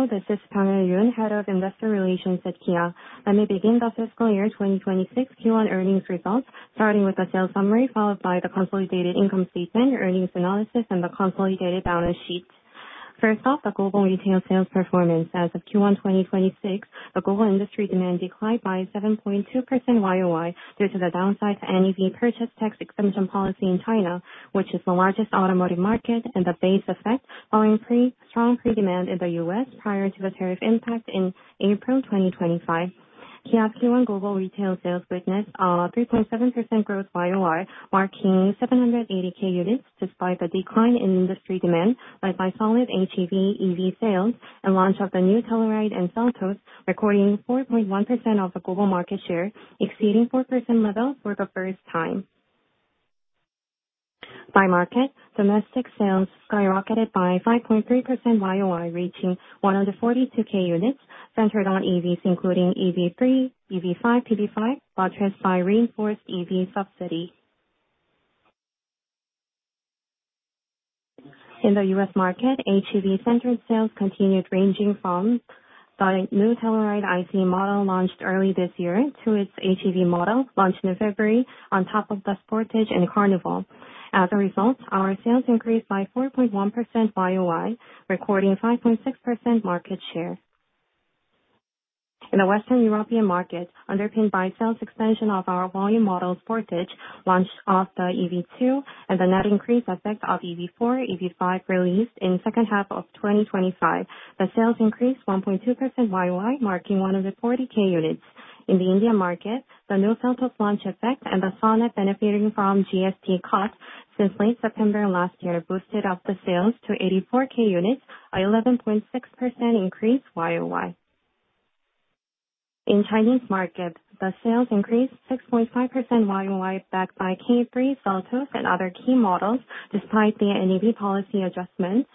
Hello, this is Pamela Yun, Head of Investor Relations at Kia. Let me begin the fiscal year 2026 Q1 earnings results, starting with the sales summary, followed by the consolidated income statement, earnings analysis, and the consolidated balance sheets. First off, the global retail sales performance. As of Q1 2026, the global industry demand declined by 7.2% YOY due to the downside to NEV purchase tax exemption policy in China, which is the largest automotive market, and the base effect following strong pre-demand in the U.S. prior to the tariff impact in April 2025. Kia's Q1 global retail sales witnessed a 3.7% growth YOY, marking 780K units despite the decline in industry demand led by solid HEV, EV sales, and launch of the new Telluride and Seltos, recording 4.1% of the global market share, exceeding 4% level for the first time. By market, domestic sales skyrocketed by 5.3% YOY, reaching 142K units centered on EVs, including EV3, EV5, PV5, buttressed by reinforced EV subsidy. In the U.S. market, HEV-centered sales continued, ranging from the new Telluride ICE model launched early this year to its HEV model launched in February on top of the Sportage and Carnival. As a result, our sales increased by 4.1% YOY, recording 5.6% market share. In the Western European market, underpinned by sales expansion of our volume model, Sportage, launch of the EV2 and the net increase effect of EV4, EV5 released in second half of 2025. The sales increased 1.2% YOY, marking 140K units. In the Indian market, the new Seltos launch effect and the Sonet benefiting from GST cut since late September last year boosted up the sales to 84K units, an 11.6% increase YOY. In Chinese market, the sales increased 6.5% YOY, backed by K3, Seltos, and other key models despite the NEV policy adjustments.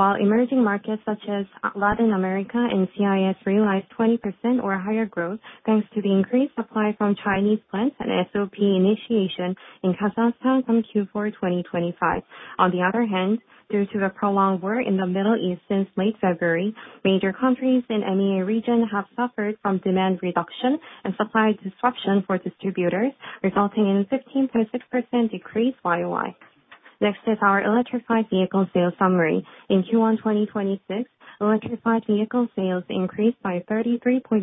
While emerging markets such as Latin America and CIS realized 20% or higher growth, thanks to the increased supply from Chinese plants and SOP initiation in Kazakhstan from Q4 2025. On the other hand, due to the prolonged war in the Middle East since late February, major countries in MEA region have suffered from demand reduction and supply disruption for distributors, resulting in 15.6% decrease YOY. Next is our electrified vehicle sales summary. In Q1 2026, electrified vehicle sales increased by 33.1%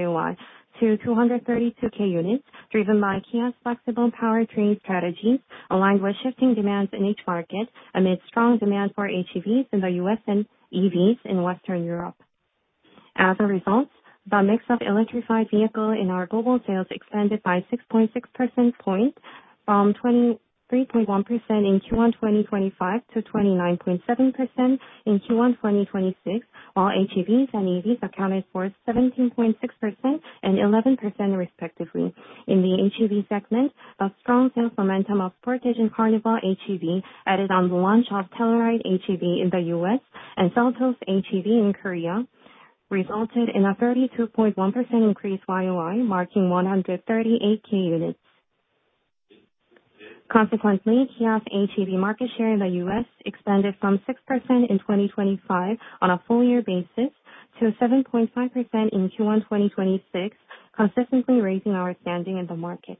YOY to 232K units, driven by Kia's flexible powertrain strategies aligned with shifting demands in each market amidst strong demand for HEVs in the U.S. and EVs in Western Europe. As a result, the mix of electrified vehicle in our global sales expanded by 6.6% point from 23.1% in Q1 2025 to 29.7% in Q1 2026, while HEVs and EVs accounted for 17.6% and 11%, respectively. In the HEV segment, a strong sales momentum of Sportage and Carnival HEV, added on the launch of Telluride HEV in the U.S. and Seltos HEV in Korea, resulted in a 32.1% increase YOY, marking 138K units. Consequently, Kia's HEV market share in the U.S. expanded from 6% in 2025 on a full year basis to 7.5% in Q1 2026, consistently raising our standing in the market.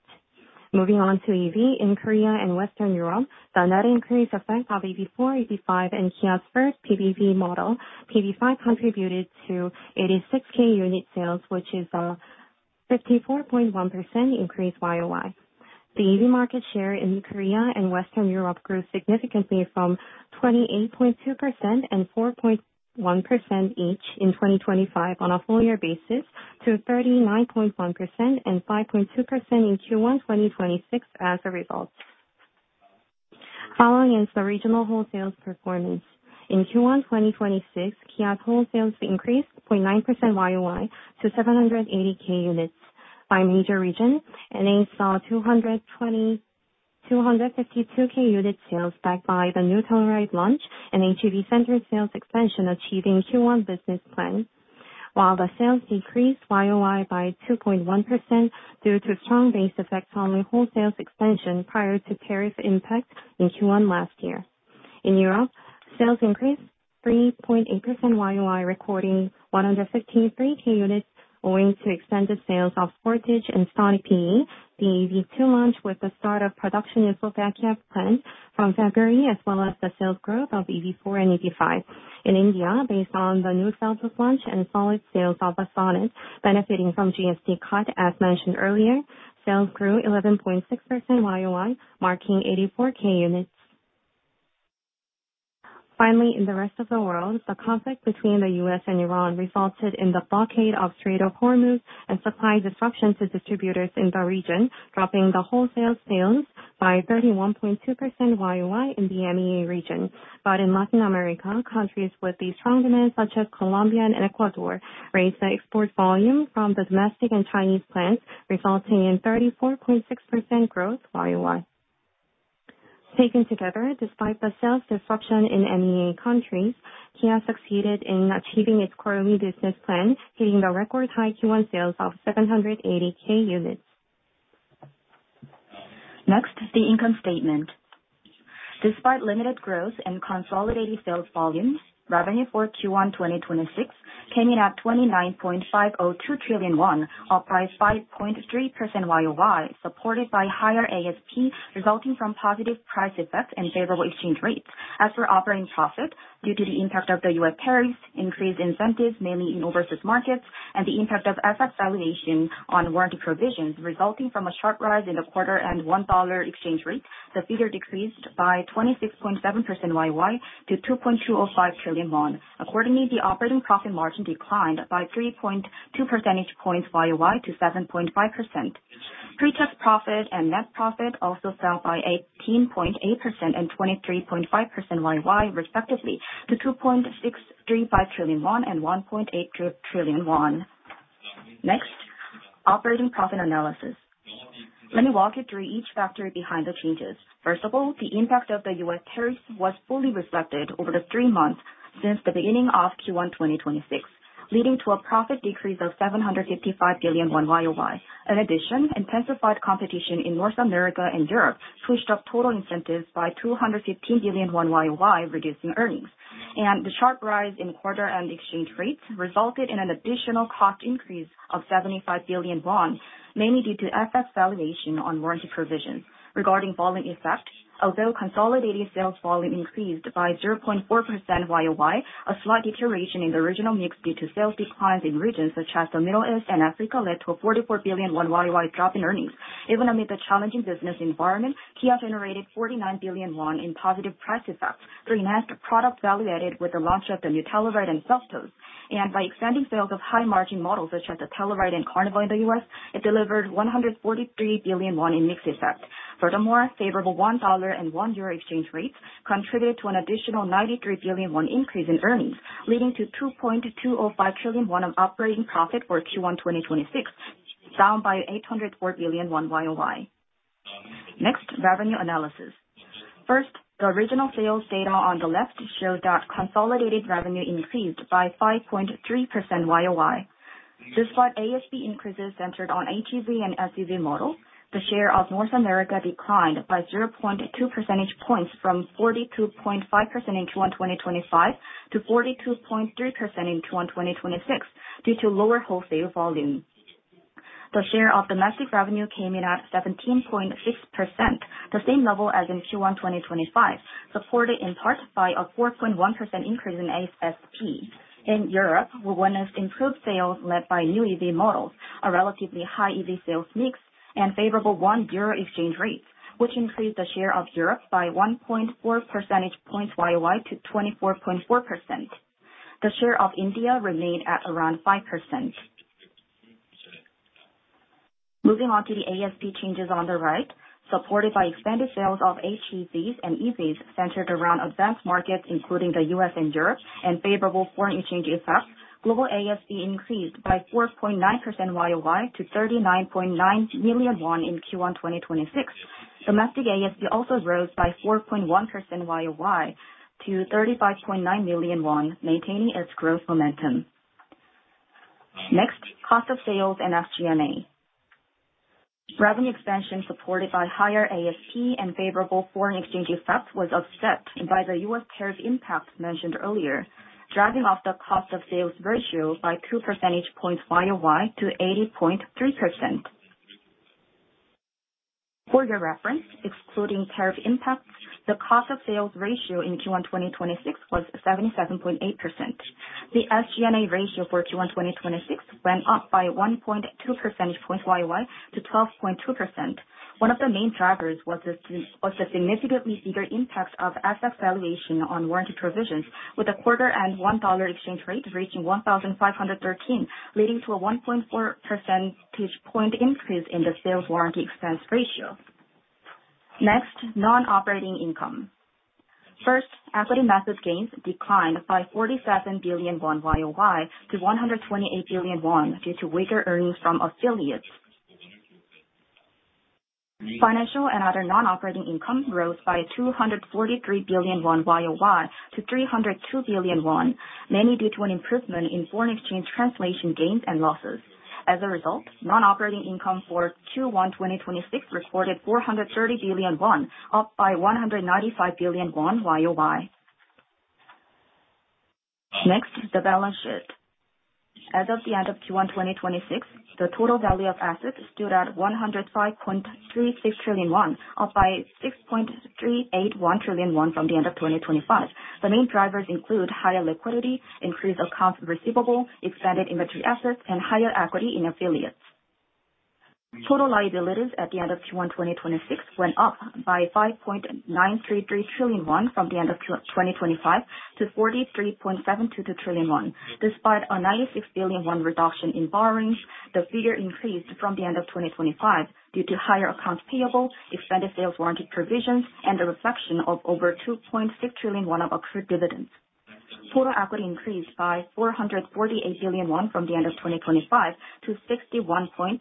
Moving on to EV in Korea and Western Europe, the net increase effect of EV4, EV5, and Kia's first PBV model, PV5, contributed to 86K unit sales, which is a 54.1% increase YOY. The EV market share in Korea and Western Europe grew significantly from 28.2% and 4.1% each in 2025 on a full year basis to 39.1% and 5.2% in Q1 2026 as a result. Following is the regional wholesales performance. In Q1 2026, Kia wholesales increased 0.9% year-over-year to 780,000 units by major region and saw 252,000 unit sales backed by the new Telluride launch and HEV-centered sales expansion achieving Q1 business plan. While the sales decreased year-over-year by 2.1% due to strong base effect on wholesales expansion prior to tariff impact in Q1 last year. In Europe, sales increased 3.8% year-over-year, recording 153,000 units owing to extended sales of Sportage and Stonic PE, the EV2 launch with the start of production in Slovakia plant from February as well as the sales growth of EV4 and EV5. In India, based on the new Seltos launch and solid sales of the Sonet benefiting from GST cut, as mentioned earlier, sales grew 11.6% year-over-year, marking 84,000 units. Finally, in the rest of the world, the conflict between the U.S. and Iran resulted in the blockade of Strait of Hormuz and supply disruptions to distributors in the region, dropping the wholesale sales by 31.2% year-over-year in the MEA region. In Latin America, countries with a strong demand such as Colombia and Ecuador raised the export volume from the domestic and Chinese plants, resulting in 34.6% growth year-over-year. Taken together, despite the sales disruption in MEA countries, Kia succeeded in achieving its quarterly business plan, hitting the record high Q1 sales of 780,000 units. Next, the income statement. Despite limited growth in consolidated sales volumes, revenue for Q1 2026 came in at 29.502 trillion won, up by 5.3% year-over-year, supported by higher ASP resulting from positive price effects and favorable exchange rates. As for operating profit, due to the impact of the U.S. tariffs, increased incentives, mainly in overseas markets, and the impact of asset valuation on warranty provisions resulting from a sharp rise in the quarter and $1 exchange rate, the figure decreased by 26.7% year-over-year to 2.205 trillion won. Accordingly, the operating profit margin declined by 3.2 percentage points year-over-year to 7.5%. Pretax profit and net profit also fell by 18.8% and 23.5% year-over-year respectively to 2.635 trillion won and 1.8 trillion won. Next, operating profit analysis. Let me walk you through each factor behind the changes. First of all, the impact of the U.S. tariffs was fully reflected over the three months since the beginning of Q1 2026, leading to a profit decrease of 755 billion won year-over-year. In addition, intensified competition in North America and Europe pushed up total incentives by 215 billion won year-over-year, reducing earnings. The sharp rise in quarter and exchange rates resulted in an additional cost increase of 75 billion won, mainly due to asset valuation on warranty provisions. Regarding volume effect, although consolidated sales volume increased by 0.4% year-over-year, a slight deterioration in the original mix due to sales declines in regions such as the Middle East and Africa led to a 44 billion won year-over-year drop in earnings. Even amid the challenging business environment, Kia generated 49 billion won in positive price effects through enhanced product value added with the launch of the new Telluride and Seltos, and by extending sales of high margin models such as the Telluride and Carnival in the U.S., it delivered 143 billion won in mix effect. Furthermore, favorable 1 dollar and 1 euro exchange rates contributed to an additional 93 billion won increase in earnings, leading to 2.205 trillion won of operating profit for Q1 2026, down by 804 billion won year-over-year. Next, revenue analysis. First, the original sales data on the left show that consolidated revenue increased by 5.3% year-over-year. Despite ASP increases centered on HEV and SUV models, the share of North America declined by 0.2 percentage points from 42.5% in Q1 2025 to 42.3% in Q1 2026 due to lower wholesale volume. The share of domestic revenue came in at 17.6%, the same level as in Q1 2025, supported in part by a 4.1% increase in ASP. In Europe, we witnessed improved sales led by new EV models, a relatively high EV sales mix, and favorable 1 euro exchange rates, which increased the share of Europe by 1.4 percentage points year-over-year to 24.4%. The share of India remained at around 5%. Moving on to the ASP changes on the right, supported by expanded sales of HEVs and EVs centered around advanced markets including the U.S. and Europe, and favorable foreign exchange effects, global ASP increased by 4.9% year-over-year to 39.9 million won in Q1 2026. Domestic ASP also rose by 4.1% year-over-year to 35.9 million won, maintaining its growth momentum. Next, cost of sales and SG&A. Revenue expansion supported by higher ASP and favorable foreign exchange effect was offset by the U.S. tariff impact mentioned earlier, driving up the cost of sales ratio by two percentage points year-over-year to 80.3%. For your reference, excluding tariff impact, the cost of sales ratio in Q1 2026 was 77.8%. The SG&A ratio for Q1 2026 went up by 1.2 percentage points year-over-year to 12.2%. One of the main drivers was the significantly bigger impact of asset valuation on warranty provisions with a quarter and 1 dollar exchange rate reaching 1,513, leading to a 1.4 percentage point increase in the sales warranty expense ratio. Next, non-operating income. First, equity methods gains declined by 47 billion won year-over-year to 128 billion won due to weaker earnings from affiliates. Financial and other non-operating income growth by 243 billion won year-over-year to 302 billion won, mainly due to an improvement in foreign exchange translation gains and losses. As a result, non-operating income for Q1 2026 reported 430 billion won, up by 195 billion won year-over-year. Next, the balance sheet. As of the end of Q1 2026, the total value of assets stood at 105.36 trillion won, up by 6.381 trillion won from the end of 2025. The main drivers include higher liquidity, increased accounts receivable, expanded inventory assets, and higher equity in affiliates. Total liabilities at the end of Q1 2026 went up by 5.933 trillion won from the end of 2025 to 43.722 trillion won. Despite a 96 billion won reduction in borrowings, the figure increased from the end of 2025 due to higher accounts payable, expanded sales warranty provisions, and a reflection of over 2.6 trillion won of accrued dividends. Total equity increased by 448 billion won from the end of 2025 to 61.638 trillion won.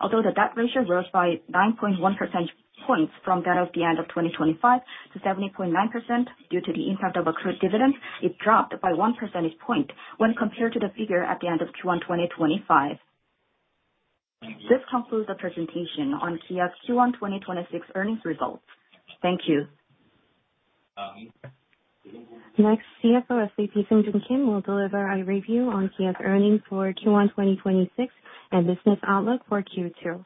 Although the debt ratio rose by 9.1 percentage points points from that of the end of 2025 to 70.9% due to the impact of accrued dividends. It dropped by one percentage point when compared to the figure at the end of Q1 2025. This concludes the presentation on Kia's Q1 2026 earnings results. Thank you. Next, CFO SVP Seung Jun Kim will deliver a review on Kia's earnings for Q1 2026 and business outlook for Q2.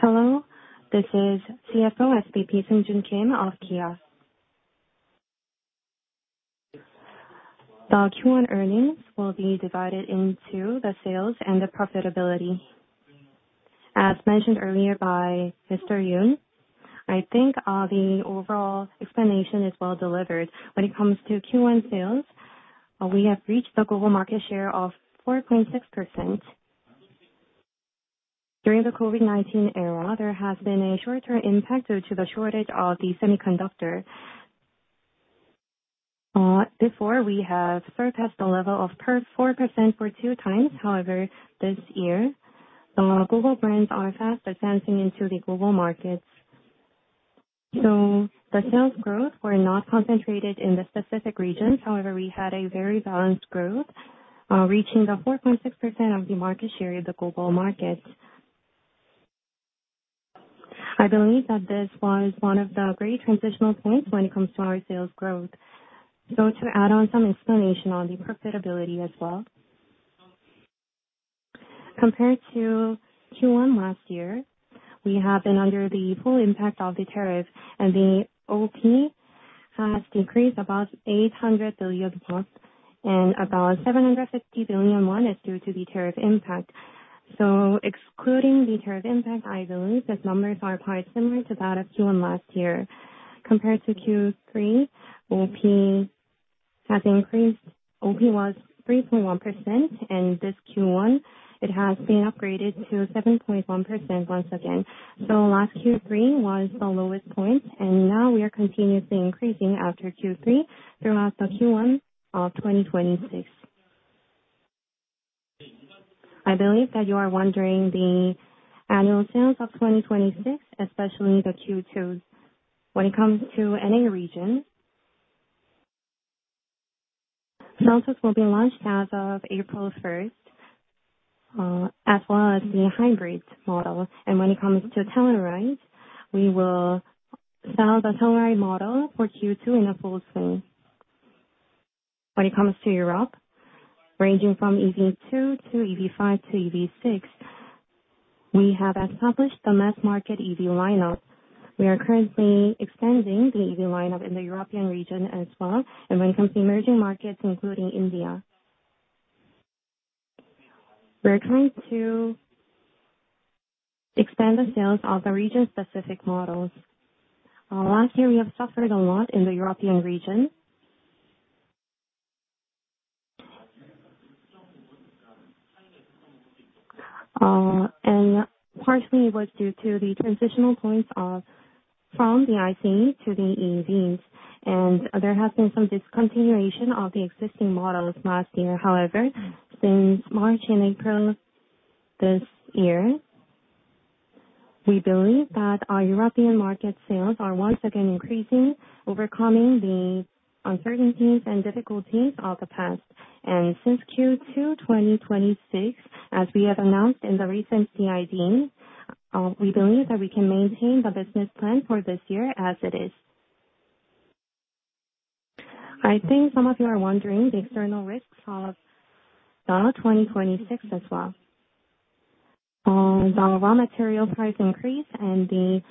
Hello. This is CFO SVP Seung Jun Kim of Kia. The Q1 earnings will be divided into the sales and the profitability. As mentioned earlier by Mr. Yun, I think the overall explanation is well delivered. When it comes to Q1 sales, we have reached the global market share of 4.6%. During the COVID-19 era, there has been a short-term impact due to the shortage of the semiconductor. Before, we have surpassed the level of 4% for two times. This year, the global brands are fast advancing into the global markets. The sales growth was not concentrated in the specific regions. We had a very balanced growth, reaching the 4.6% of the market share of the global market. I believe that this was one of the great transitional points when it comes to our sales growth. To add on some explanation on the profitability as well. Compared to Q1 last year, we have been under the full impact of the tariff, and the OP has decreased about 800 billion won, and about 750 billion won is due to the tariff impact. Excluding the tariff impact, I believe the numbers are quite similar to that of Q1 last year. Compared to Q3, OP was 3.1%, and this Q1, it has been upgraded to 7.1% once again. Last Q3 was the lowest point, and now we are continuously increasing after Q3 throughout the Q1 of 2026. I believe that you are wondering the annual sales of 2026, especially the Q2's. When it comes to any region, will be launched as of April 1st, as well as the hybrid model. When it comes to Telluride, we will sell the Telluride model for Q2 in a full swing. When it comes to Europe, ranging from EV2 to EV5 to EV6, we have established the mass market EV lineup. We are currently expanding the EV lineup in the European region as well. When it comes to emerging markets, including India, we're trying to expand the sales of the region-specific models. Last year we have suffered a lot in the European region. Partially it was due to the transitional points from the ICE to the EVs, and there has been some discontinuation of the existing models last year. However, since March and April this year, we believe that our European market sales are once again increasing, overcoming the uncertainties and difficulties of the past. Since Q2 2026, as we have announced in the recent CID, we believe that we can maintain the business plan for this year as it is. I think some of you are wondering the external risks of 2026 as well. The raw material price increase and the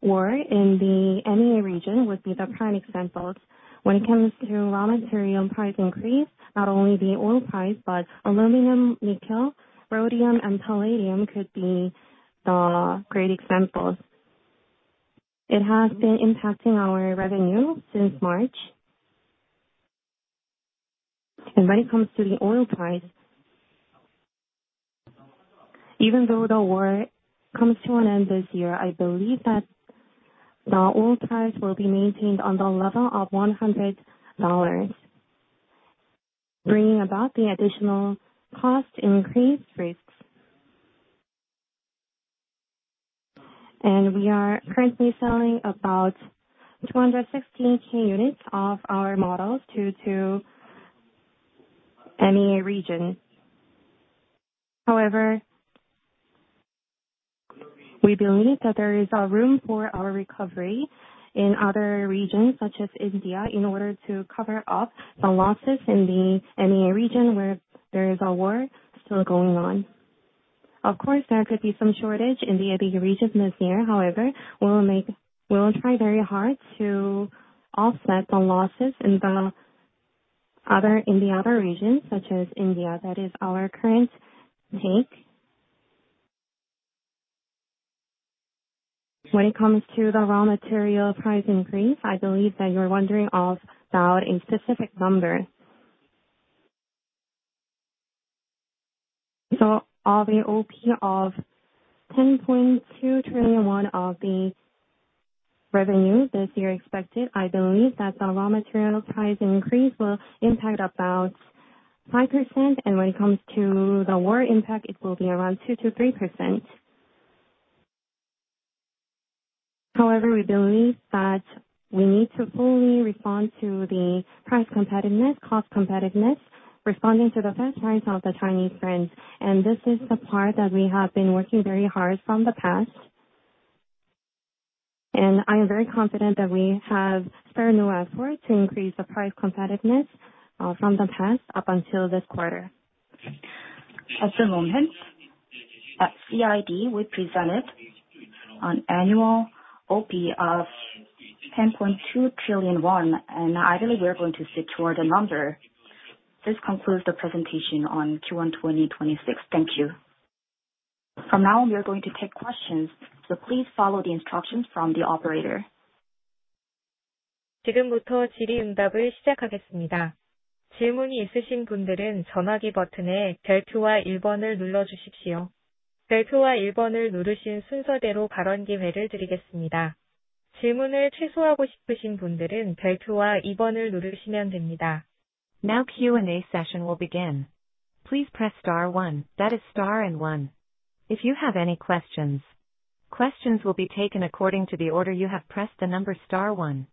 war in the MEA region would be the prime examples. When it comes to raw material price increase, not only the oil price, but aluminum, nickel, rhodium and palladium could be the great examples. It has been impacting our revenue since March. When it comes to the oil price, even though the war comes to an end this year, I believe that the oil price will be maintained on the level of $100, bringing about the additional cost increase risks. We are currently selling about 216K units of our models due to MEA region. However, we believe that there is room for our recovery in other regions such as India, in order to cover up the losses in the MEA region where there is a war still going on. Of course, there could be some shortage in the EV region this year. However, we will try very hard to offset the losses in the other regions such as India. That is our current take. When it comes to the raw material price increase, I believe that you are wondering about a specific number. Of the OP of 10.2 trillion won of the Revenue this year expected. I believe that the raw material price increase will impact about 5%, and when it comes to the war impact, it will be around 2%-3%. However, we believe that we need to fully respond to the price competitiveness, cost competitiveness, responding to the fair price of the Chinese brands. This is the part that we have been working very hard from the past. I am very confident that we have spare no effort to increase the price competitiveness from the past up until this quarter. At the moment, at CID, we presented on annual OP of 10.2 trillion won and I believe we are going to stick toward the number. This concludes the presentation on Q1 2026. Thank you. From now, we are going to take questions. Please follow the instructions from the operator. 지금부터 질의응답을 시작하겠습니다. 질문이 있으신 분들은 전화기 버튼의 별표와 1번을 눌러주십시오. 별표와 1번을 누르신 순서대로 발언 기회를 드리겠습니다. 질문을 취소하고 싶으신 분들은 별표와 2번을 누르시면 됩니다. Now Q&A session will begin. Please press star 1. That is star and 1. If you have any questions will be taken according to the order you have pressed the number star 1.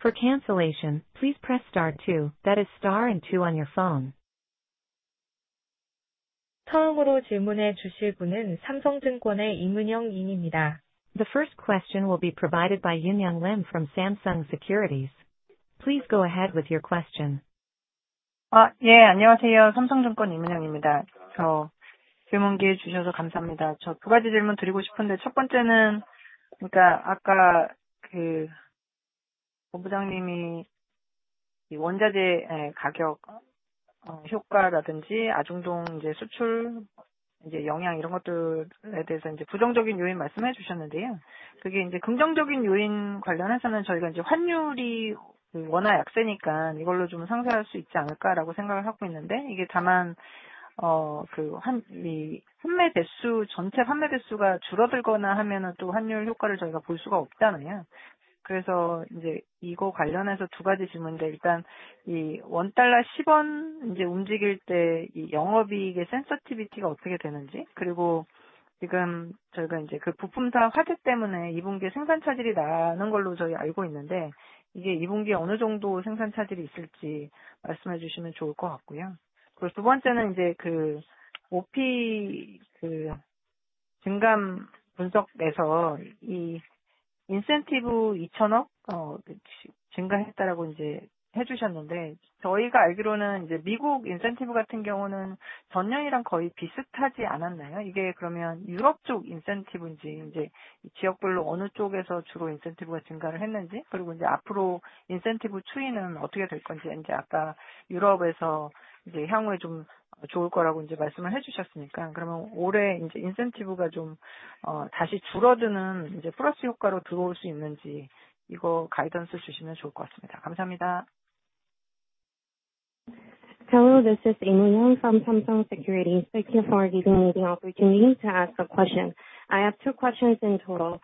For cancellation, please press star 2. That is star and 2 on your phone. 처음으로 질문해 주실 분은 삼성증권의 임은영 님입니다. The first question will be provided by Eun-young Lim from Samsung Securities. Please go ahead with your question. 네, 안녕하세요. 삼성증권 임은영입니다. 질문 기회 주셔서 감사합니다. 저두 가지 질문드리고 싶은데 첫 번째는 아까 본부장님이 원자재 가격 효과라든지 아·중·동 수출 영향, 이런 것들에 대해서 부정적인 요인 말씀해 주셨는데요. 그게 긍정적인 요인 관련해서는 저희가 환율이 워낙 약세니까 이걸로 좀 상쇄할 수 있지 않을까라고 생각을 하고 있는데 이게 다만 전체 판매 대수가 줄어들거나 하면 또 환율 효과를 저희가 볼 수가 없다면, 그래서 이거 관련해서 두 가지 질문인데 일단 원 달러 10원 움직일 때 영업이익의 sensitivity가 어떻게 되는지, 그리고 지금 저희가 부품사 화재 때문에 2분기에 생산 차질이 나는 걸로 저희 알고 있는데 이게 2분기에 어느 정도 생산 차질이 있을지 말씀해 주시면 좋을 것 같고요. 그리고 두 번째는 OP 증감 분석에서 인센티브 2,000억 증가했다라고 해주셨는데 저희가 알기로는 미국 인센티브 같은 경우는 전년이랑 거의 비슷하지 않았나요? 이게 그러면 유럽 쪽 인센티브인지, 지역별로 어느 쪽에서 주로 인센티브가 증가를 했는지, 그리고 앞으로 인센티브 추이는 어떻게 될 건지, 아까 유럽에서 향후에 좋을 거라고 말씀을 해주셨으니까 그러면 올해 인센티브가 다시 줄어드는 플러스 효과로 들어올 수 있는지 이거 가이던스 주시면 좋을 것 같습니다. 감사합니다. Hello. This is Eun-young Lim from Samsung Securities. Thank you for giving me the opportunity to ask a question. I have two questions in total.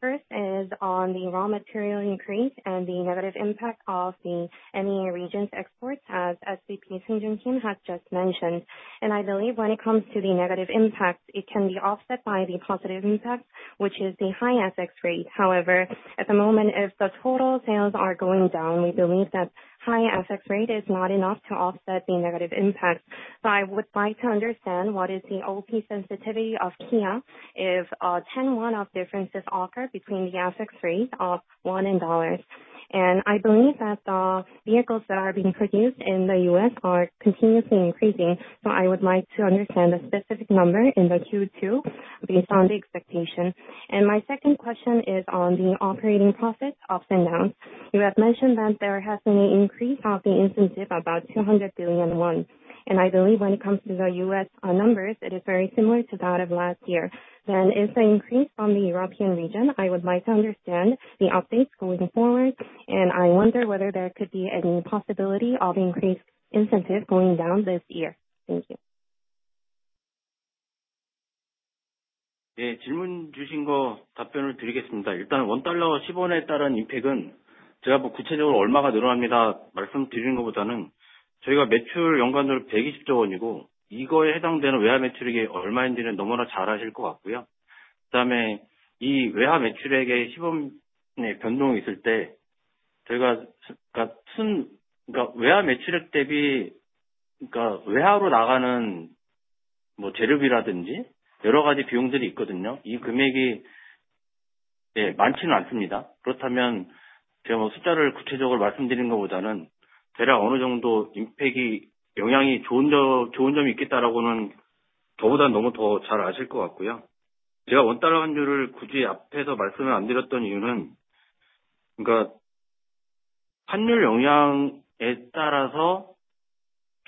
First is on the raw material increase and the negative impact of the MEA region's exports, as SVP Seung Jun Kim has just mentioned. I believe when it comes to the negative impact, it can be offset by the positive impact, which is the high FX rate. However, at the moment, if the total sales are going down, we believe that high FX rate is not enough to offset the negative impact. I would like to understand what is the OP sensitivity of Kia if 10 of differences occur between the FX rate of won and dollars. I believe that the vehicles that are being produced in the U.S. are continuously increasing. I would like to understand the specific number in the Q2 based on the expectation. My second question is on the operating profits ups and downs. You have mentioned that there has been an increase of the incentive about 200 billion won. I believe when it comes to the U.S. numbers, it is very similar to that of last year. If they increase from the European region, I would like to understand the updates going forward, and I wonder whether there could be any possibility of increased incentive going down this year. Thank you. 네, 질문 주신 거 답변을 드리겠습니다. 일단 원 달러 10원에 따른 임팩은 제가 구체적으로 얼마가 늘어납니다 말씀드리는 것보다는, 저희가 매출 연간으로 120조 원이고 이거에 해당되는 외화 매출액이 얼마인지는 너무나 잘 아실 것 같고요. 그다음에 이 외화 매출액에 10원의 변동이 있을 때, 외화 매출액 대비 외화로 나가는 재료비라든지 여러 가지 비용들이 있거든요. 이 금액이 많지는 않습니다. 그렇다면 제가 숫자를 구체적으로 말씀드리는 것보다는 대략 어느 정도 임팩이 영향이 좋은 점이 있겠다라고는 저보다 너무 더잘 아실 것 같고요. 제가 원 달러 환율을 굳이 앞에서 말씀을 안 드렸던 이유는, 환율 영향에 따라서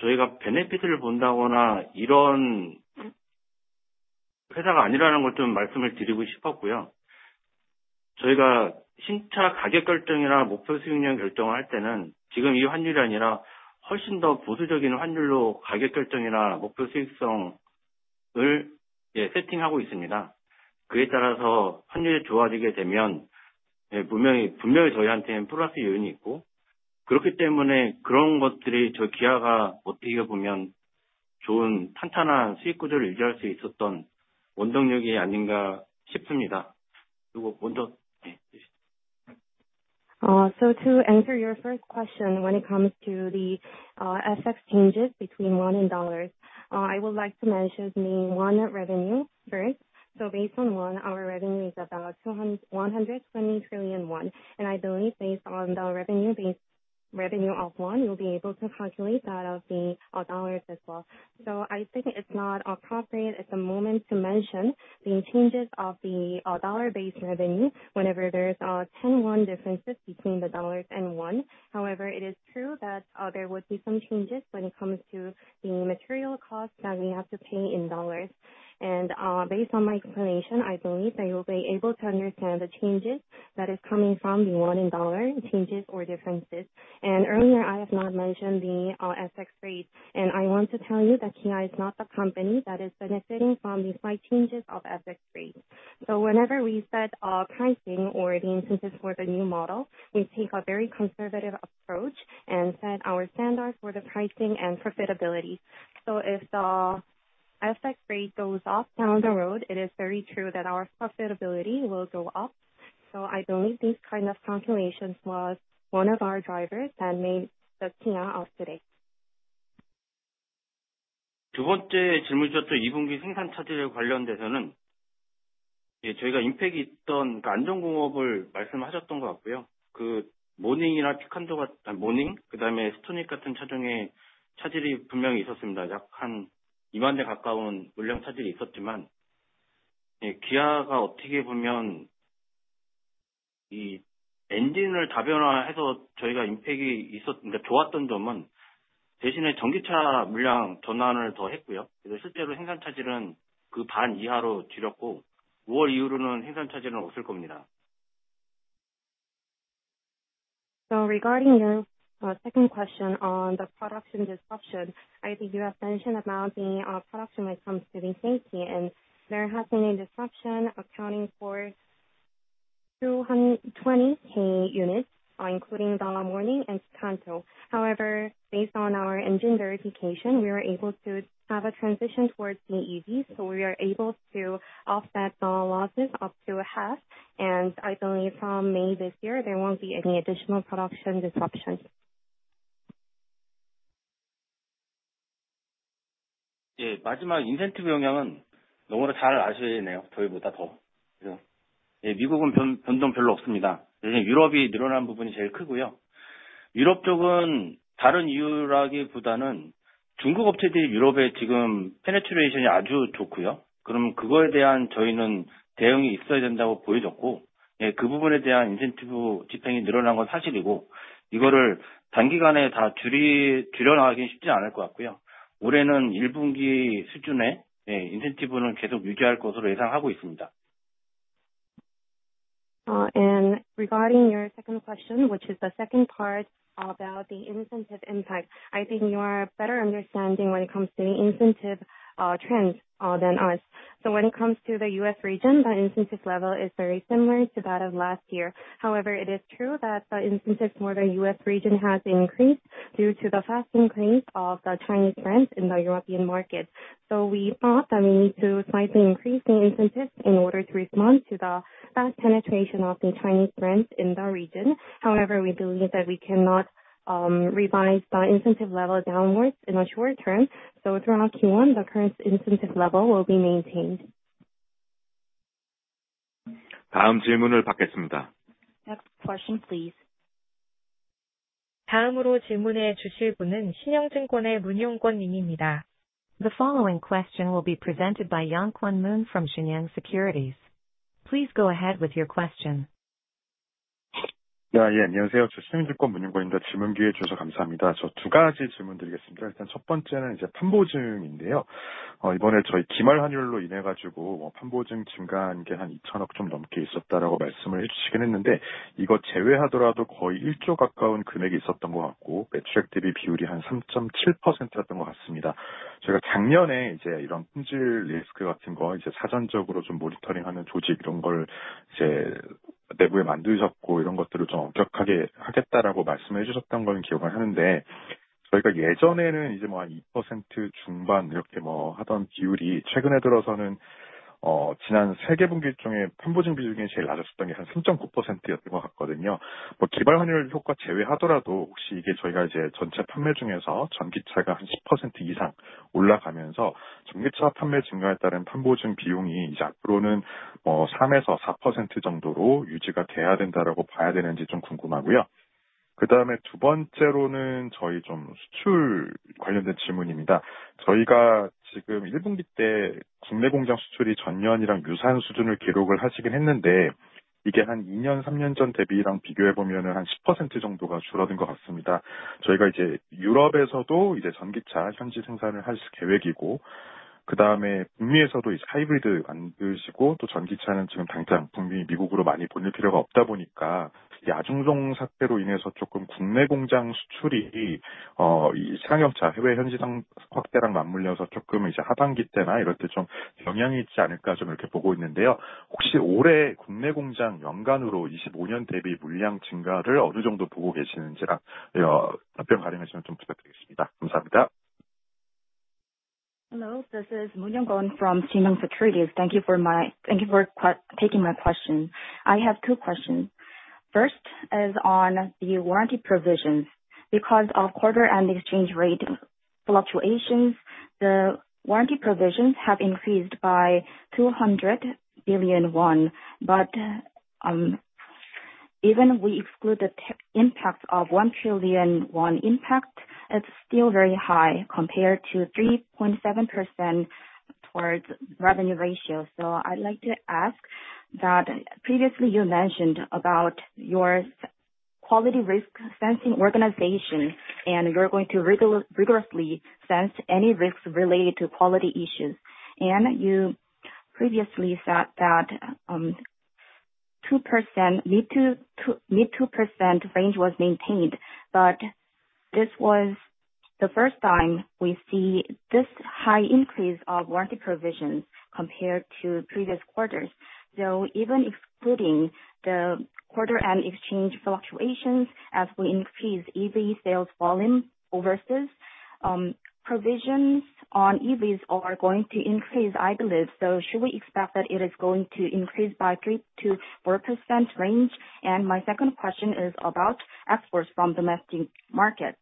저희가 베네핏을 본다거나 이런 회사가 아니라는 걸 말씀을 드리고 싶었고요. 저희가 신차 가격 결정이나 목표 수익률 결정을 할 때는 지금 이 환율이 아니라 훨씬 더 보수적인 환율로 가격 결정이나 목표 수익성을 세팅하고 있습니다. 그에 따라서 환율이 좋아지게 되면 분명히 저희한테는 플러스 요인이 있고, 그렇기 때문에 그런 것들이 Kia가 어떻게 보면 좋은 탄탄한 수익 구조를 유지할 수 있었던 원동력이 아닌가 싶습니다. To answer your first question when it comes to the FX changes between KRW and USD, I would like to mention the KRW revenue first. Based on KRW, our revenue is about 120 trillion won. I believe based on the revenue of KRW, you will be able to calculate that of the USD as well. I think it is not appropriate at the moment to mention the changes of the USD-based revenue whenever there is 10 won differences between the USD and KRW. However, it is true that there would be some changes when it comes to the material costs that we have to pay in USD. Based on my explanation, I believe that you will be able to understand the changes that is coming from the KRW and USD changes or differences. Earlier I have not mentioned the FX rates, I want to tell you that Kia is not the company that is benefiting from the slight changes of FX rates. Whenever we set our pricing or the instances for the new model, we take a very conservative approach and set our standards for the pricing and profitability. If the FX rate goes up down the road, it is very true that our profitability will go up. I believe this kind of calculations was one of our drivers that made the Kia of today. 두 번째 질문 주셨던 2분기 생산 차질 관련돼서는 저희가 impact 있던 안전공업을 말씀하셨던 것 같고요. 모닝 그다음에 스토닉 같은 차종에 차질이 분명히 있었습니다. 약한 2만 대 가까운 물량 차질이 있었지만, Kia가 어떻게 보면 엔진을 다변화해서 저희가 impact이 있었는데 좋았던 점은 대신에 전기차 물량 전환을 더 했고요. 그리고 실제로 생산 차질은 그반 이하로 줄였고, 5월 이후로는 생산 차질은 없을 겁니다. Regarding your second question on the production disruption, I think you have mentioned about the production when it comes to the safety, there has been a disruption accounting for 220,000 units, including the Morning and Picanto. However, based on our engine verification, we are able to have a transition towards the EV, we are able to offset the losses up to a half. I believe from May this year, there won't be any additional production disruptions. 마지막 인센티브 영향은 저희보다 더 너무나 잘 아시네요. 미국은 변동 별로 없습니다. 대신 유럽이 늘어난 부분이 제일 크고요. 유럽 쪽은 다른 이유라기보다는 중국 업체들이 유럽에 지금 penetration이 아주 좋고요. 그러면 그거에 대한 저희는 대응이 있어야 된다고 보여졌고, 그 부분에 대한 인센티브 지출이 늘어난 건 사실이고, 이거를 단기간에 다 줄여나가긴 쉽지 않을 것 같고요. 올해는 1분기 수준의 인센티브는 계속 유지할 것으로 예상하고 있습니다. Regarding your second question, which is the second part about the incentive impact, I think you are better understanding when it comes to the incentive trends than us. When it comes to the U.S. region, the incentive level is very similar to that of last year. However, it is true that the incentives for the U.S. region has increased due to the fast increase of the Chinese brands in the European market. We thought that we need to slightly increase the incentives in order to respond to the fast penetration of the Chinese brands in the region. However, we believe that we cannot revise the incentive level downwards in the short term. Throughout Q1, the current incentive level will be maintained. 다음 질문을 받겠습니다. Next question, please. 다음으로 질문해 주실 분은 신영증권의 문용권 님입니다. The following question will be presented by Moon Yong-kwon from Shinyeong Securities. Please go ahead with your question. 안녕하세요. 신영증권 문용권입니다. 질문 기회 주셔서 감사합니다. 두 가지 질문드리겠습니다. 일단 첫 번째는 판보증인데요. 이번에 기말환율로 인해서 판보증 증가한 게한 2천억 좀 넘게 있었다고 말씀을 해 주시긴 했는데, 이거 제외하더라도 거의 1조 가까운 금액이 있었던 것 같고, 매출액 대비 비율이 한 3.7%였던 것 같습니다. 저희가 작년에 이런 품질 리스크 같은 거, 사전적으로 모니터링하는 조직, 이런 걸 내부에 만드셨고, 이런 것들을 좀 엄격하게 하겠다라고 말씀을 해주셨던 건 기억을 하는데, 저희가 예전에는 한 2% 중반 이렇게 하던 비율이 최근에 들어서는 지난 3개 분기 중에 판보증비용이 제일 낮았었던 게한 3.9%였던 것 같거든요. 기말환율 효과 제외하더라도 혹시 이게 저희가 전체 판매 중에서 전기차가 한 10% 이상 올라가면서 전기차 판매 증가에 따른 판보증 비용이 이제 앞으로는 3에서 4% 정도로 유지가 돼야 된다고 봐야 되는지 좀 궁금하고요. 그다음에 두 번째로는 수출 관련된 질문입니다. 저희가 지금 1분기 때 국내 공장 수출이 전년이랑 유사한 수준을 기록하긴 했는데, 이게 한 2년, 3년 전 대비랑 비교해 보면 한 10% 정도가 줄어든 것 같습니다. 저희가 유럽에서도 전기차 현지 생산을 할 계획이고, 그다음에 북미에서도 하이브리드 만드시고, 또 전기차는 지금 당장 북미, 미국으로 많이 보낼 필요가 없다 보니까, 아중동 사태로 인해서 국내 공장 수출이 실적 영향차 해외 현지산 확대랑 맞물려서 하반기 때나 이럴 때 영향이 있지 않을까 보고 있는데요. 혹시 올해 국내 공장 연간으로 25년 대비 물량 증가를 어느 정도 보고 계시는지 답변 가능하시면 부탁드리겠습니다. 감사합니다. Hello, this is Moon Yong-kwon from Shinyeong Securities. Thank you for taking my question. I have two questions. First is on the warranty provisions. Because of quarter and exchange rate fluctuations, the warranty provisions have increased by 200 billion won. Even we exclude the impact of 1 trillion won impact, it is still very high compared to 3.7% towards revenue ratio. I would like to ask that previously you mentioned about your quality risk sensing organization, and you are going to rigorously sense any risks related to quality issues. You previously said that mid 2% range was maintained, but this was the first time we see this high increase of warranty provisions compared to previous quarters. Even excluding the quarter and exchange fluctuations as we increase EV sales volume overseas, provisions on EVs are going to increase, I believe. Should we expect that it is going to increase by 3%-4% range? My second question is about exports from domestic markets.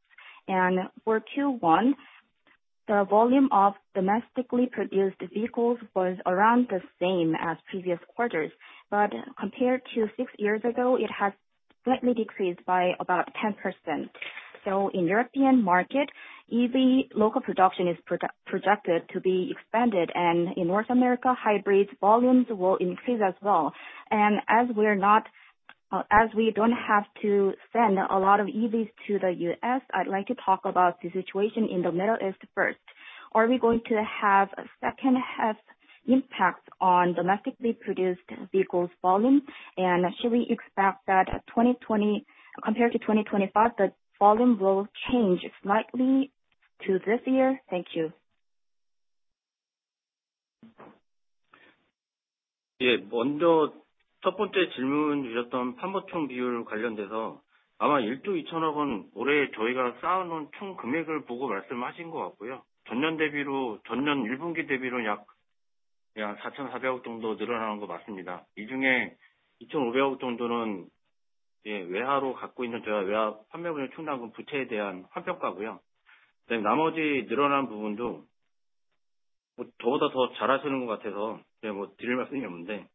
For Q1, the volume of domestically produced vehicles was around the same as previous quarters. Compared to six years ago, it has slightly decreased by about 10%. In European market, EV local production is projected to be expanded, and in North America, hybrids volumes will increase as well. As we do not have to send a lot of EVs to the U.S., I would like to talk about the situation in the Middle East first. Are we going to have second half impact on domestically produced vehicles volume? Should we expect that compared to 2025, the volume will change slightly to this year? Thank you. 네, 먼저 첫 번째 질문 주셨던 판관비율 관련돼서 아마 1조 2,000억 원 올해 저희가 쌓아놓은 총 금액을 보고 말씀하신 것 같고요. 전년 1분기 대비로 약 4,400억 정도 늘어난 거 맞습니다. 이 중에 2,500억 정도는 외화로 갖고 있는 저희가 외화 판매금액 충당금 부채에 대한 환평가고요. 그다음에 나머지 늘어난 부분도 저보다 더잘 아시는 것 같아서 드릴 말씀이 없는데,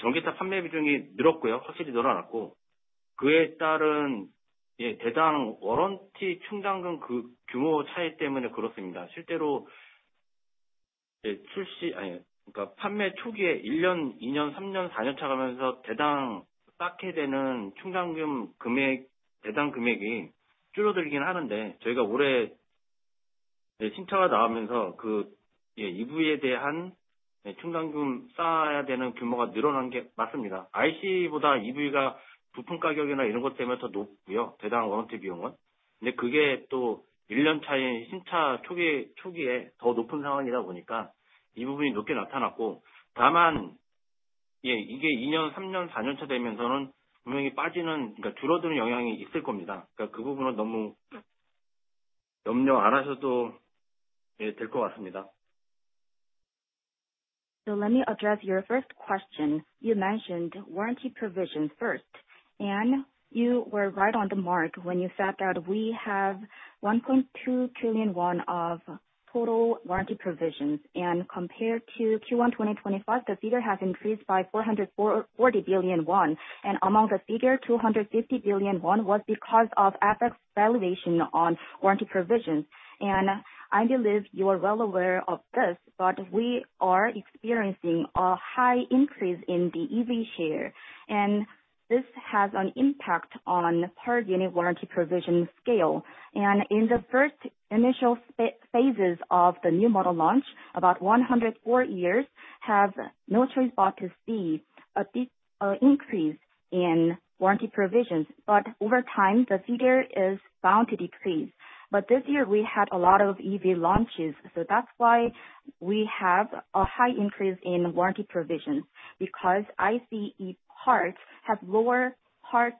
전기차 판매 비중이 늘었고요. 확실히 늘어났고, 그에 따른 대당 워런티 충당금 규모 차이 때문에 그렇습니다. 실제로 판매 초기에 1년, 2년, 3년, 4년 차 가면서 대당 쌓게 되는 충당금 대당 금액이 줄어들긴 하는데 저희가 올해 신차가 나오면서 EV에 대한 충당금 쌓아야 되는 규모가 늘어난 게 맞습니다. ICE보다 EV가 부품 가격이나 이런 것 때문에 더 높고요, 대당 워런티 비용은. 근데 그게 또 1년 차인 신차 초기에 더 높은 상황이다 보니까 이 부분이 높게 나타났고. 다만 이게 2년, 3년, 4년 차 되면서는 분명히 빠지는, 줄어드는 영향이 있을 겁니다. 그러니까 그 부분은 너무 염려 안 하셔도 될것 같습니다. Let me address your first question. You mentioned warranty provisions first, and you were right on the mark when you said that we have 1.2 trillion won of total warranty provisions. Compared to Q1 2025, the figure has increased by 440 billion won, and among the figure, 250 billion won was because of FX valuation on warranty provisions. I believe you are well aware of this, but we are experiencing a high increase in the EV share, and this has an impact on per unit warranty provision scale. In the first initial phases of the new model launch, about one to four years have no choice but to see a deep increase in warranty provisions. Over time, the figure is bound to decrease. This year we had a lot of EV launches, so that is why we have a high increase in warranty provisions, because ICE parts have lower parts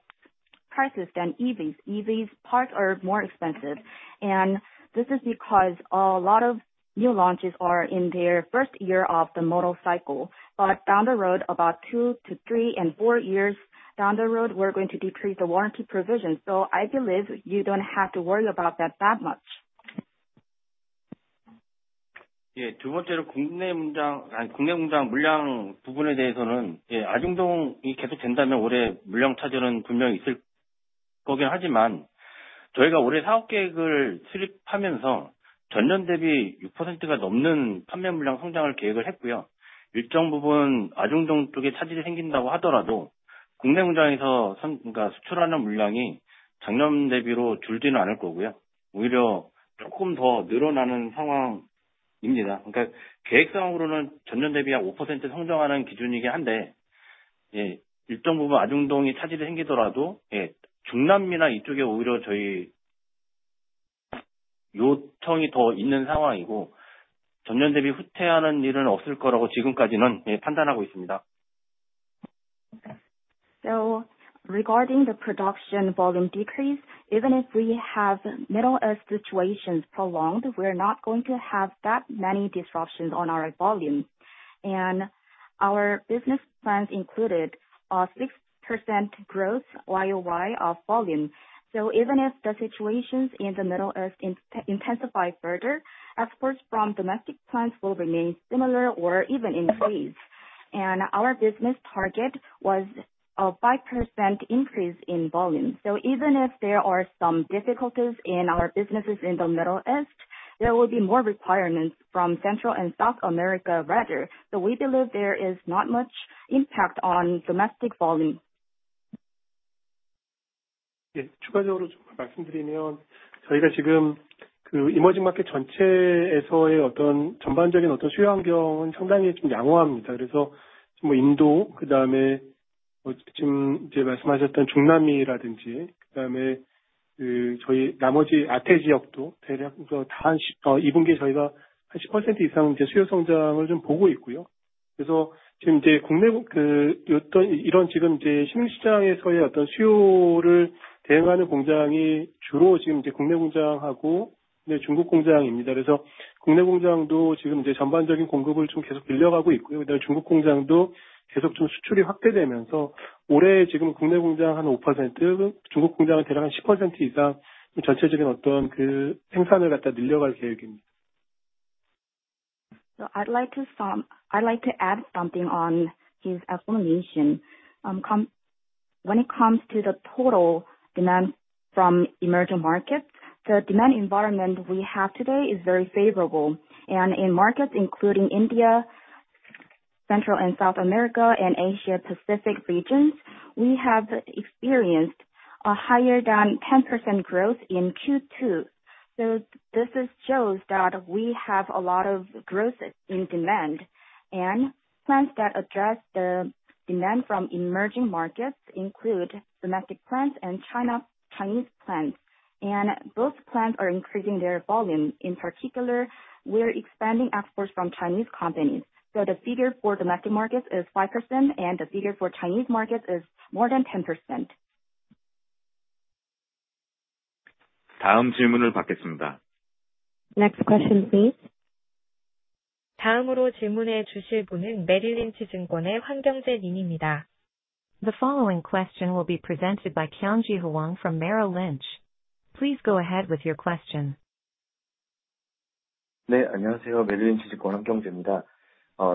prices than EVs. EVs parts are more expensive, and this is because a lot of new launches are in their first year of the model cycle. Down the road, about two to three and four years down the road, we are going to decrease the warranty provision. I believe you do not have to worry about that much. 두 번째로 국내 공장 물량 부분에 대해서는 아중동이 계속된다면 올해 물량 차질은 분명히 있을 거긴 하지만, 저희가 올해 사업 계획을 수립하면서 전년 대비 6%가 넘는 판매 물량 성장을 계획을 했고요. 일정 부분 아중동 쪽에 차질이 생긴다고 하더라도 국내 공장에서 수출하는 물량이 작년 대비로 줄지는 않을 거고요. 오히려 조금 더 늘어나는 상황입니다. 그러니까 계획상으로는 전년 대비 약 5% 성장하는 기준이긴 한데, 일정 부분 아·중동이 차질이 생기더라도 중남미나 이쪽에 오히려 요청이 더 있는 상황이고, 전년 대비 후퇴하는 일은 없을 거라고 지금까지는 판단하고 있습니다. Regarding the production volume decrease, even if we have Middle East situations prolonged, we are not going to have that many disruptions on our volume. Our business plans included a 6% growth year-over-year of volume. Even if the situations in the Middle East intensify further, exports from domestic plants will remain similar or even increase. Our business target was a 5% increase in volume. Even if there are some difficulties in our businesses in the Middle East, there will be more requirements from Central and South America, rather. We believe there is not much impact on domestic volume. 추가적으로 조금 말씀드리면, 저희가 지금 이머징 마켓 전체에서의 전반적인 수요 환경은 상당히 양호합니다. 인도, 그다음에 말씀하셨던 중남미라든지, 그다음에 나머지 아·태 지역도 대략 2분기에 저희가 한 10% 이상 수요 성장을 보고 있고요. 지금 신흥 시장에서의 수요를 대응하는 공장이 주로 국내 공장하고 중국 공장입니다. 국내 공장도 지금 전반적인 공급을 계속 늘려가고 있고요. 그다음에 중국 공장도 계속 수출이 확대되면서 올해 국내 공장 한 5%, 중국 공장은 대략 한 10% 이상 전체적인 생산을 늘려갈 계획입니다. I would like to add something on his explanation. When it comes to the total demand from emerging markets, the demand environment we have today is very favorable. In markets including India, Central and South America, and Asia Pacific regions, we have experienced a higher than 10% growth in Q2. This shows that we have a lot of growth in demand. Plants that address the demand from emerging markets include domestic plants and Chinese plants. Both plants are increasing their volume. In particular, we are expanding exports from Chinese companies. The figure for domestic markets is 5%, and the figure for Chinese markets is more than 10%. 다음 질문을 받겠습니다. Next question, please. 다음으로 질문해 주실 분은 메릴린치 증권의 황현재 님입니다. The following question will be presented by Hwang Hyun-jae from Merrill Lynch. Please go ahead with your question. 네, 안녕하세요. 메릴린치 증권 황현재입니다.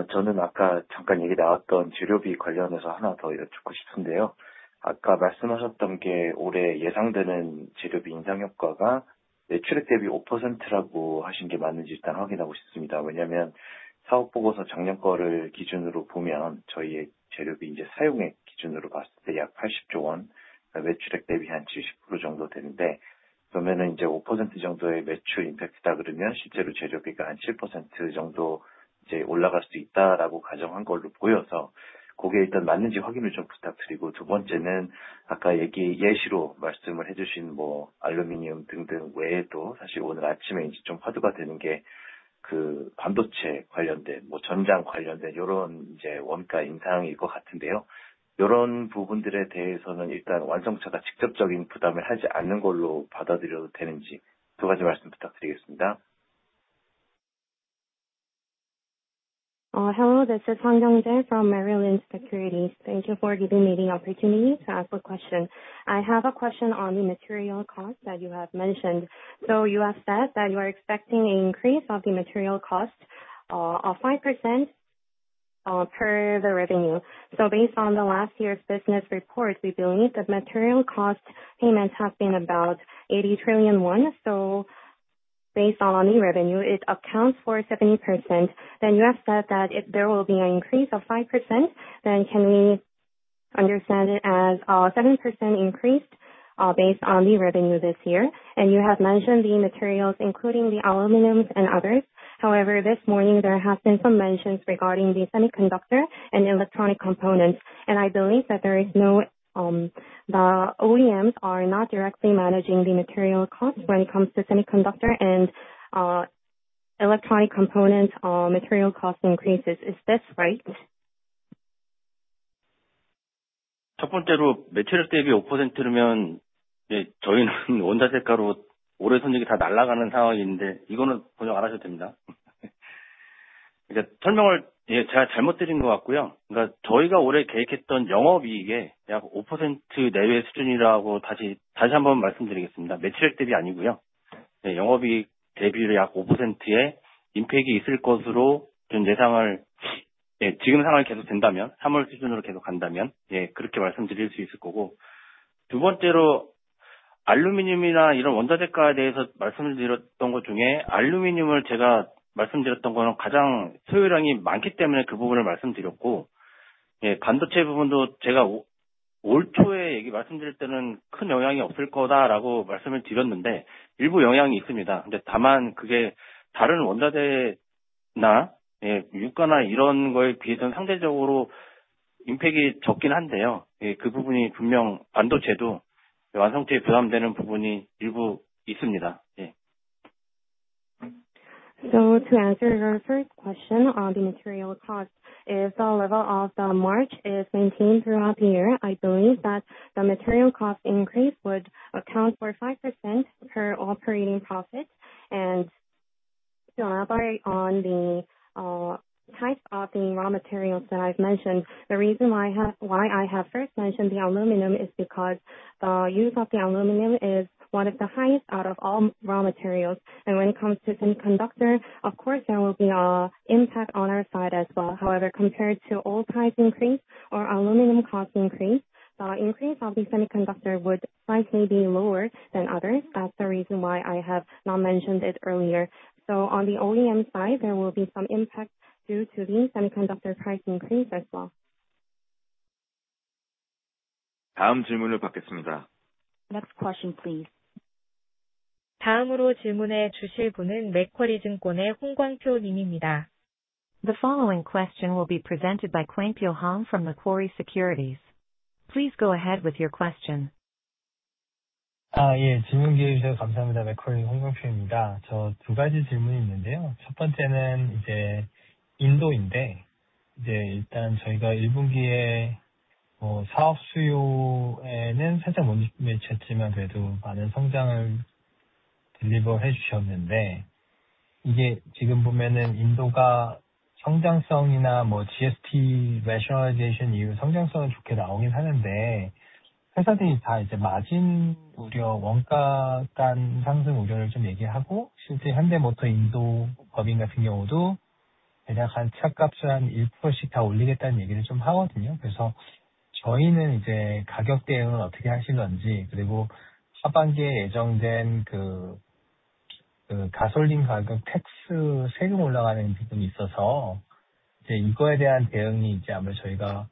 저는 아까 잠깐 얘기 나왔던 재료비 관련해서 하나 더 여쭙고 싶은데요. 아까 말씀하셨던 게 올해 예상되는 재료비 인상 효과가 매출액 대비 5%라고 하신 게 맞는지 일단 확인하고 싶습니다. 왜냐하면 사업보고서 작년 거를 기준으로 보면 저희의 재료비 사용액 기준으로 봤을 때약 80조 원, 매출액 대비 한 70% 정도 되는데 그러면 5% 정도의 매출 임팩트다 그러면 실제로 재료비가 한 7% 정도 올라갈 수 있다라고 가정한 걸로 보여서 그게 일단 맞는지 확인을 좀 부탁드리고. 두 번째는 아까 예시로 말씀을 해주신 알루미늄 등등 외에도 사실 오늘 아침에 좀 화두가 되는 게 반도체 관련된, 전장 관련된 이런 원가 인상일 것 같은데요. 이런 부분들에 대해서는 일단 완성차가 직접적인 부담을 하지 않는 걸로 받아들여도 되는지 두 가지 말씀 부탁드리겠습니다. Hello, this is Hwang Hyun-jae from Merrill Lynch Securities. Thank you for giving me the opportunity to ask a question. I have a question on the material cost that you have mentioned. You have said that you are expecting an increase of the material cost of 5% per the revenue. Based on the last year's business report, we believe that material cost payments have been about 80 trillion won. Based on the revenue, it accounts for 70%. You have said that if there will be an increase of 5%, then can we understand it as a 7% increase based on the revenue this year? You have mentioned the materials, including the aluminum and others. However, this morning there have been some mentions regarding the semiconductor and electronic components, and I believe that the OEMs are not directly managing the material costs when it comes to semiconductor and electronic components material cost increases. Is this right? 첫 번째로 매출액 대비 5%면 저희는 원자재가로 올해 손익이 다 날아가는 상황인데 이거는 고려 안 하셔도 됩니다. 설명을 제가 잘못 드린 것 같고요. 그러니까 저희가 올해 계획했던 영업이익이 약 5% 내외 수준이라고 다시 한번 말씀드리겠습니다. 매출액 대비 아니고요. 영업이익 대비 약 5%의 임팩이 있을 것으로 예상을, 지금 상황이 계속된다면, 3월 수준으로 계속 간다면 그렇게 말씀드릴 수 있을 거고. 두 번째로 알루미늄이나 이런 원자재가에 대해서 말씀을 드렸던 것 중에 알루미늄을 제가 말씀드렸던 거는 가장 소요량이 많기 때문에 그 부분을 말씀드렸고, 반도체 부분도 제가 올초에 말씀드릴 때는 "큰 영향이 없을 거다"라고 말씀을 드렸는데 일부 영향이 있습니다. 다만 그게 다른 원자재나 유가나 이런 거에 비해서는 상대적으로 임팩트가 적긴 한데요. 그 부분이 분명 반도체도 완성차에 부담되는 부분이 일부 있습니다. To answer your first question on the material cost, if the level of the March is maintained throughout the year, I believe that the material cost increase would account for 5% per operating profit. On the types of the raw materials that I have mentioned, the reason why I have first mentioned the aluminum is because the use of the aluminum is one of the highest out of all raw materials. When it comes to semiconductor, of course, there will be an impact on our side as well. However, compared to oil price increase or aluminum cost increase of the semiconductor would likely be lower than others. That is the reason why I have not mentioned it earlier. On the OEM side, there will be some impact due to the semiconductor price increase as well. 다음 질문을 받겠습니다. Next question, please. 다음으로 질문해 주실 분은 맥쿼리증권의 홍광표 님입니다. The following question will be presented by Hong Kwang-pyo from Macquarie Securities. Please go ahead with your question. 예, 질문 기회 주셔서 감사합니다. 맥쿼리 홍광표입니다. 두 가지 질문이 있는데요. 첫 번째는 인도인데, 일단 저희가 1분기에 사업 수요에는 살짝 못 미쳤지만 그래도 많은 성장을 deliver 해 주셨는데 이게 지금 보면은 인도가 성장성이나 GST rationalization 이후 성장성은 좋게 나오긴 하는데, 회사들이 다 마진 우려, 원가율 상승 우려를 얘기하고, 실제 현대모터 인도 법인 같은 경우도 대략 차량 값을 한 1%씩 다 올리겠다는 얘기를 하거든요. 그래서 저희는 가격 대응은 어떻게 하실 건지, 그리고 하반기에 예정된 가솔린 가격 tax 세금 올라가는 부분이 있어서 이거에 대한 대응이 아마 저희가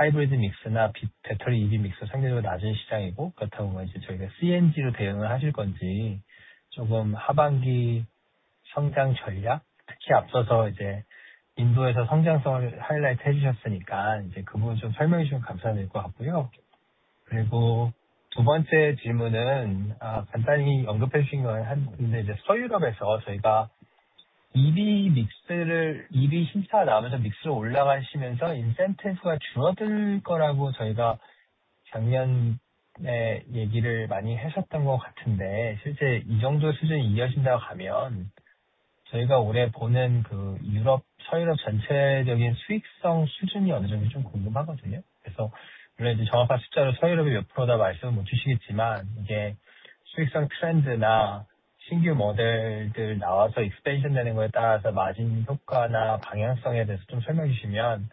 hybrid mix나 battery EV mix가 상대적으로 낮은 시장이고, 그렇다면 저희가 CNG로 대응을 하실 건지, 하반기 성장 전략, 특히 앞서서 인도에서 성장성을 highlight 해 주셨으니까 그 부분 설명해 주시면 감사할 것 같고요. 그리고 두 번째 질문은 간단히 언급해 주신 거에 한게 있는데, 서유럽에서 저희가 EV share 나오면서 믹스가 올라가시면서 incentive가 줄어들 거라고 저희가 작년에 얘기를 많이 했었던 것 같은데, 실제 이 정도 수준이 이어져서 가면 저희가 올해 보는 유럽, 서유럽 전체적인 수익성 수준이 어느 정도인지 궁금하거든요. 그래서 물론 정확한 숫자로 서유럽이 몇 %다 말씀은 못 주시겠지만, 이게 수익성 trend나 신규 모델들 나와서 extension 되는 거에 따라서 마진 효과나 방향성에 대해서 설명해 주시면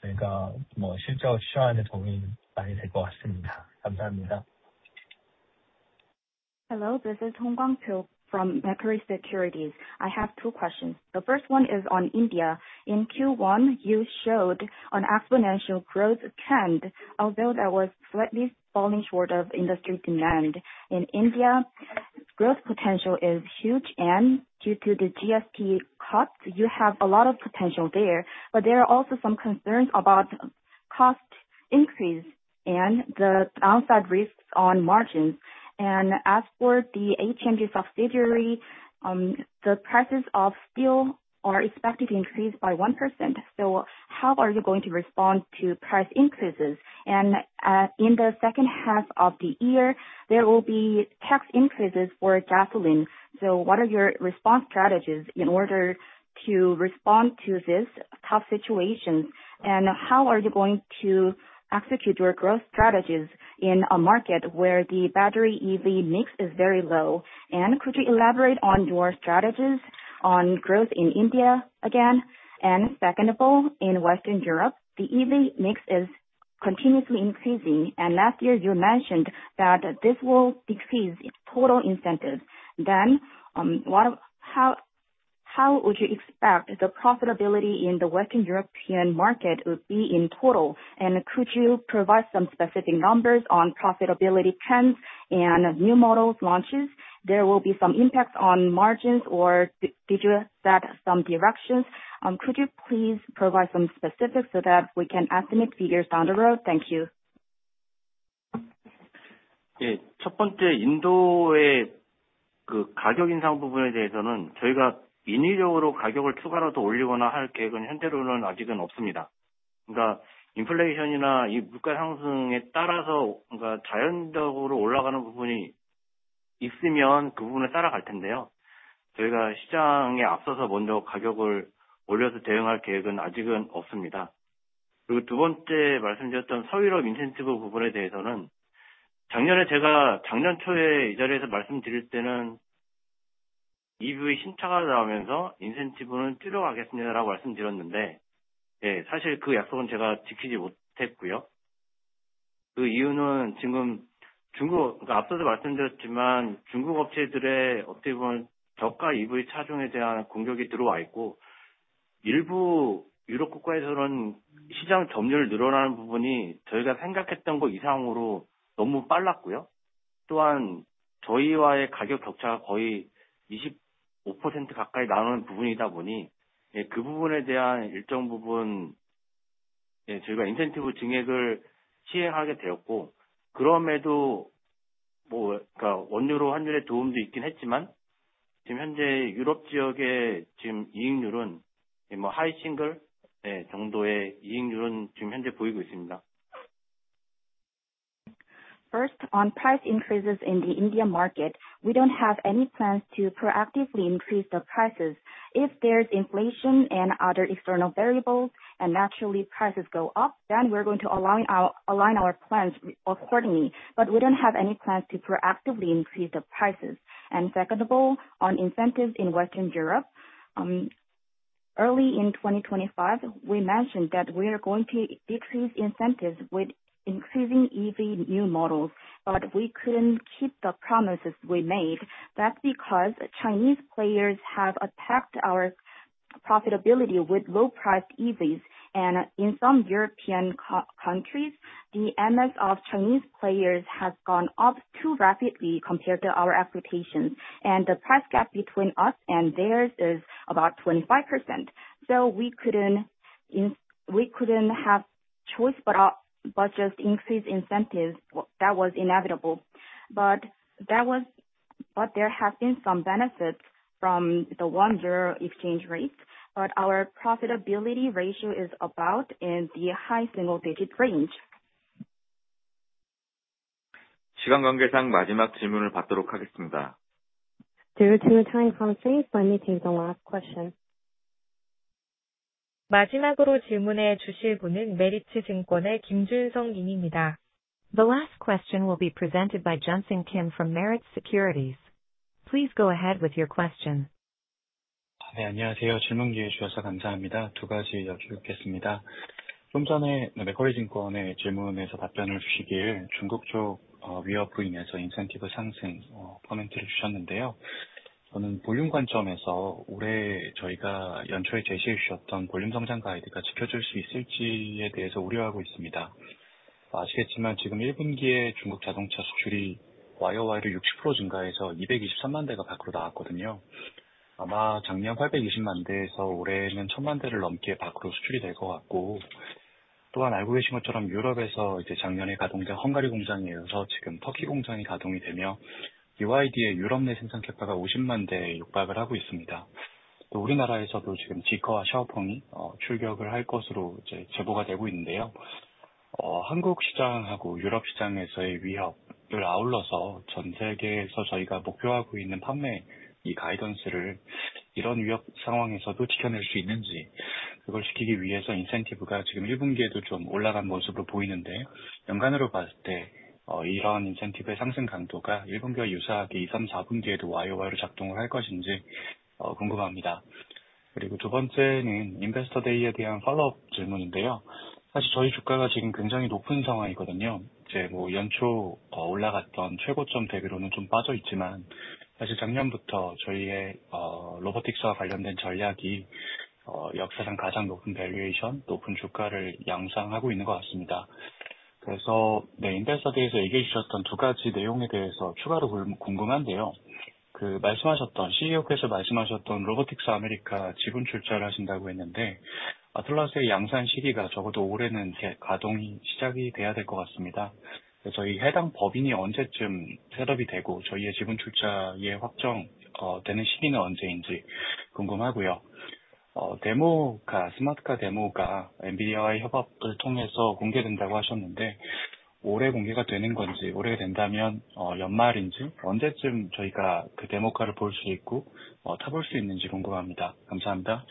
저희가 실제로 추정하는데 도움이 많이 될것 같습니다. 감사합니다. Hello, this is Hong Kwangpyo from Macquarie Securities. I have two questions. The first one is on India. In Q1, you showed an exponential growth trend, although that was slightly falling short of industry demand. In India, growth potential is huge, and due to the GST cuts, you have a lot of potential there. But there are also some concerns about cost increase and the downside risks on margins. As for the changes of February, the prices of steel are expected to increase by 1%. How are you going to respond to price increases? In the second half of the year, there will be tax increases for gasoline. What are your response strategies in order to respond to this tough situation? How are you going to execute your growth strategies in a market where the battery EV mix is very low? Could you elaborate on your strategies on growth in India again? Second of all, in Western Europe, the EV mix is continuously increasing, and last year you mentioned that this will decrease its total incentive. How would you expect the profitability in the Western European market would be in total? Could you provide some specific numbers on profitability trends and new models launches? There will be some impact on margins, did you set some directions? Could you please provide some specifics so that we can estimate figures down the road? Thank you. 첫 번째, 인도의 가격 인상 부분에 대해서는 저희가 인위적으로 가격을 추가로 더 올리거나 할 계획은 현재로는 아직은 없습니다. 인플레이션이나 물가 상승에 따라서 자연적으로 올라가는 부분이 있으면 그 부분을 따라갈 텐데요. 저희가 시장에 앞서서 먼저 가격을 올려서 대응할 계획은 아직은 없습니다. 두 번째 말씀드렸던 서유럽 인센티브 부분에 대해서는 작년에 제가 작년 초에 이 자리에서 말씀드릴 때는 EV 신차가 나오면서 "인센티브는 줄여가겠습니다."라고 말씀드렸는데, 사실 그 약속은 제가 지키지 못했고요. 그 이유는 앞서도 말씀드렸지만, 중국 업체들의 저가 EV 차종에 대한 공격이 들어와 있고, 일부 유럽 국가에서는 시장 점유율 늘어나는 부분이 저희가 생각했던 거 이상으로 너무 빨랐고요. 또한 저희와의 가격 격차가 거의 25% 가까이 나는 부분이다 보니, 그 부분에 대한 일정 부분 저희가 인센티브 증액을 시행하게 되었고, 그럼에도 원유 환율의 도움도 있긴 했지만, 현재 유럽 지역의 이익률은 하이 싱글 정도의 이익률을 보이고 있습니다. First, on price increases in the Indian market, we don't have any plans to proactively increase the prices. If there's inflation and other external variables, naturally prices go up, we're going to align our plans accordingly. We don't have any plans to proactively increase the prices. Second of all, on incentives in Western Europe. Early in 2025, we mentioned that we are going to decrease incentives with increasing EV new models, we couldn't keep the promises we made. That's because Chinese players have attacked our profitability with low priced EVs. In some European countries, the MS of Chinese players has gone up too rapidly compared to our expectations. The price gap between us and theirs is about 25%. We couldn't have choice but just increase incentives. That was inevitable. There have been some benefits from the one zero exchange rates. Our profitability ratio is about in the high single digit range. 시간 관계상 마지막 질문을 받도록 하겠습니다. Due to time constraints, let me take the last question. 마지막으로 질문해 주실 분은 메리츠증권의 김준성 님입니다. The last question will be presented by Junsung Kim from Meritz Securities. Please go ahead with your question. 네, 안녕하세요. 질문 기회 주셔서 감사합니다. 두 가지 여쭙겠습니다. 좀 전에 맥쿼리증권의 질문에서 답변을 주시길, 중국 쪽 위협으로 인해서 인센티브 상승 코멘트를 주셨는데요. 저는 볼륨 관점에서 올해 저희가 연초에 제시해 주셨던 볼륨 성장 가이드가 지켜질 수 있을지에 대해서 우려하고 있습니다. 아시겠지만 지금 1분기에 중국 자동차 수출이 YOY로 60% 증가해서 223만 대가 밖으로 나왔거든요. 아마 작년 820만 대에서 올해는 천만 대를 넘게 밖으로 수출이 될것 같고, 또한 알고 계신 것처럼 유럽에서 작년에 가동된 헝가리 공장에 이어서 지금 터키 공장이 가동이 되며 BYD의 유럽 내 생산 계획이 50만 대에 육박을 하고 있습니다. 또 우리나라에서도 지금 ZEEKR와 Xpeng이 출격을 할 것으로 제보가 되고 있는데요. 한국 시장하고 유럽 시장에서의 위협을 아울러서 전 세계에서 저희가 목표하고 있는 판매 가이던스를 이런 위협 상황에서도 지켜낼 수 있는지, 그걸 지키기 위해서 인센티브가 지금 1분기에도 좀 올라간 모습으로 보이는데 연간으로 봤을 때 이런 인센티브의 상승 강도가 1분기와 유사하게 2, 3, 4분기에도 YOY로 작동을 할 것인지 궁금합니다. 두 번째는 Investor Day에 대한 팔로우업 질문인데요. 사실 저희 주가가 지금 굉장히 높은 상황이거든요. 연초 올라갔던 최고점 대비로는 좀 빠져 있지만, 사실 작년부터 저희의 로보틱스와 관련된 전략이 역사상 가장 높은 밸류에이션, 높은 주가를 양산하고 있는 것 같습니다. 그래서 Investor Day에서 얘기해 주셨던 두 가지 내용에 대해서 추가로 궁금한데요. CEO께서 말씀하셨던 Robotics in America 지분 출자를 하신다고 했는데, Atlas의 양산 시기가 적어도 올해는 가동이 시작이 돼야 될것 같습니다. 그래서 해당 법인이 언제쯤 셋업이 되고, 저희의 지분 출자의 확정되는 시기는 언제인지 궁금하고요. 스마트카 데모가 NVIDIA 협업을 통해서 공개된다고 하셨는데 올해 공개가 되는 건지, 올해 된다면 연말인지 언제쯤 저희가 그 데모카를 볼수 있고, 타볼 수 있는지 궁금합니다. 감사합니다.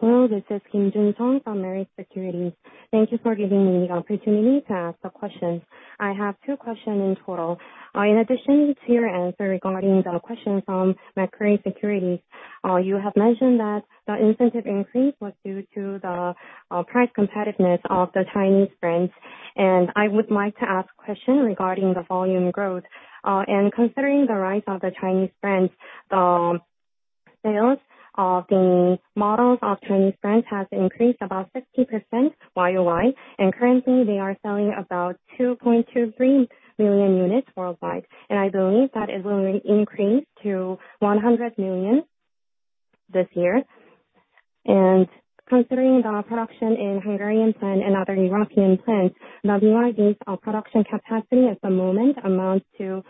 Hello, this is Kim Junsung from Meritz Securities. Thank you for giving me the opportunity to ask the questions. I have two questions in total. In addition to your answer regarding the question from Meritz Securities, you have mentioned that the incentive increase was due to the price competitiveness of the Chinese brands. I would like to ask question regarding the volume growth. Considering the rise of the Chinese brands, the sales of the models of Chinese brands has increased about 60% YOY, and currently they are selling about 2.23 million units worldwide. I believe that it will increase to 100 million this year. Considering the production in Hungarian plant and other European plants, the viewer gains a production capacity at the moment amounts to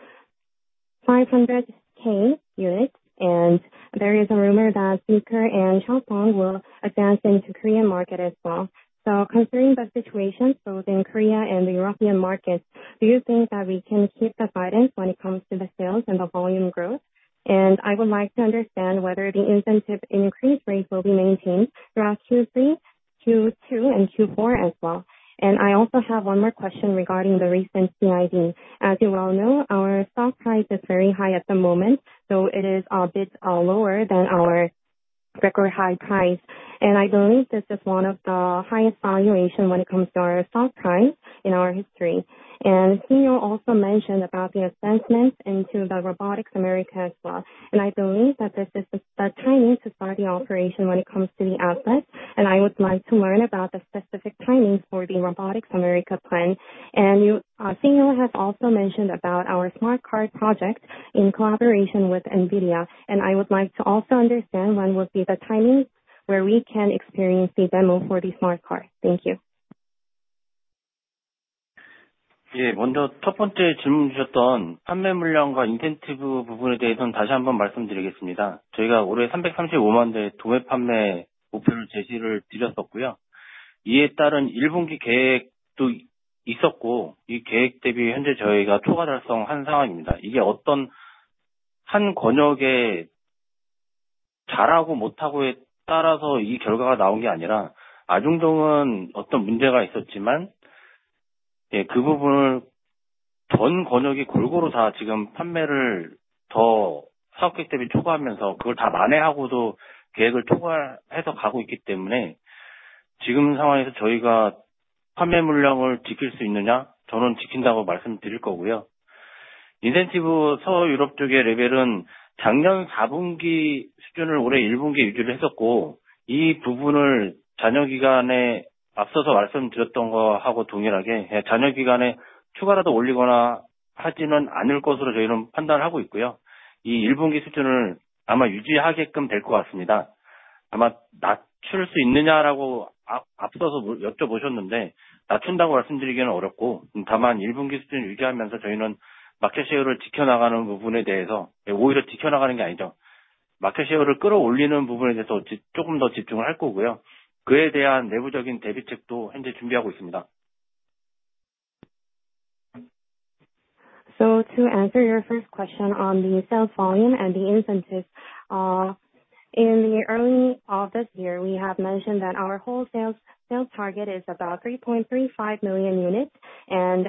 500K units. There is a rumor that ZEEKR and Xiaomi will advance into Korean market as well. Considering the situation both in Korea and the European markets, do you think that we can keep the guidance when it comes to the sales and the volume growth? I would like to understand whether the incentive increase rate will be maintained throughout Q3, Q2 and Q4 as well. I also have one more question regarding the recent Investor Day. As you well know, our stock price is very high at the moment, it is a bit lower than our record high price. I believe this is one of the highest valuation when it comes to our stock price in our history. CEO also mentioned about the assessments into the Robotics America as well. I believe that this is the timing to start the operation when it comes to the assets, I would like to learn about the specific timing for the Robotics America plan. CEO has also mentioned about our smart car project in collaboration with NVIDIA, and I would like to also understand when would be the timing where we can experience the demo for the smart car. Thank you. 먼저 첫 번째 질문 주셨던 판매 물량과 인센티브 부분에 대해서는 다시 한번 말씀드리겠습니다. 저희가 올해 335만 대 도매 판매 목표를 제시를 드렸었고요. 이에 따른 1분기 계획도 있었고, 이 계획 대비 현재 저희가 초과 달성한 상황입니다. 이게 어떤 한 권역에 잘하고 못하고에 따라서 이 결과가 나온 게 아니라 아·중동은 어떤 문제가 있었지만, 그 부분을 전 권역이 골고루 다 지금 판매를 더 사업 계획 대비 초과하면서 그걸 다 만회하고도 계획을 초과해서 가고 있기 때문에 지금 상황에서 저희가 판매 물량을 지킬 수 있느냐, 저는 지킨다고 말씀드릴 거고요. 인센티브 서유럽 쪽의 레벨은 작년 4분기 수준을 올해 1분기 유지를 했었고, 이 부분을 작년 기간에 앞서서 말씀드렸던 거하고 동일하게 작년 기간에 추가로 더 올리거나 하지는 않을 것으로 저희는 판단을 하고 있고요. 이 1분기 수준을 아마 유지하게끔 될것 같습니다. 아마 낮출 수 있느냐라고 앞서서 여쭤보셨는데 낮춘다고 말씀드리기는 어렵고, 다만 1분기 수준 유지하면서 저희는 마켓 셰어를 지켜나가는 부분에 대해서, 오히려 지켜나가는 게 아니죠. 마켓 셰어를 끌어올리는 부분에 대해서 조금 더 집중을 할 거고요. 그에 대한 내부적인 대비책도 현재 준비하고 있습니다. To answer your first question on the sales volume and the incentives. In the early of this year, we have mentioned that our whole sales target is about 3.35 million units.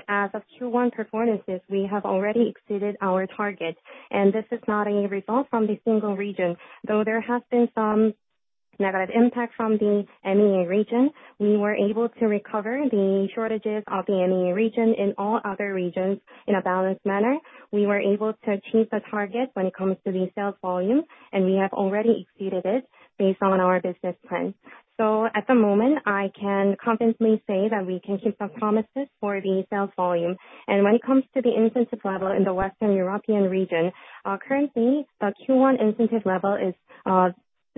As of Q1 performances, we have already exceeded our target. This is not a result from the single region. Though there has been some negative impact from the MEA region, we were able to recover the shortages of the MEA region in all other regions in a balanced manner. We were able to achieve the target when it comes to the sales volume, and we have already exceeded it based on our business plan. At the moment, I can confidently say that we can keep the promises for the sales volume. When it comes to the incentive level in the Western European region, currently the Q1 incentive level is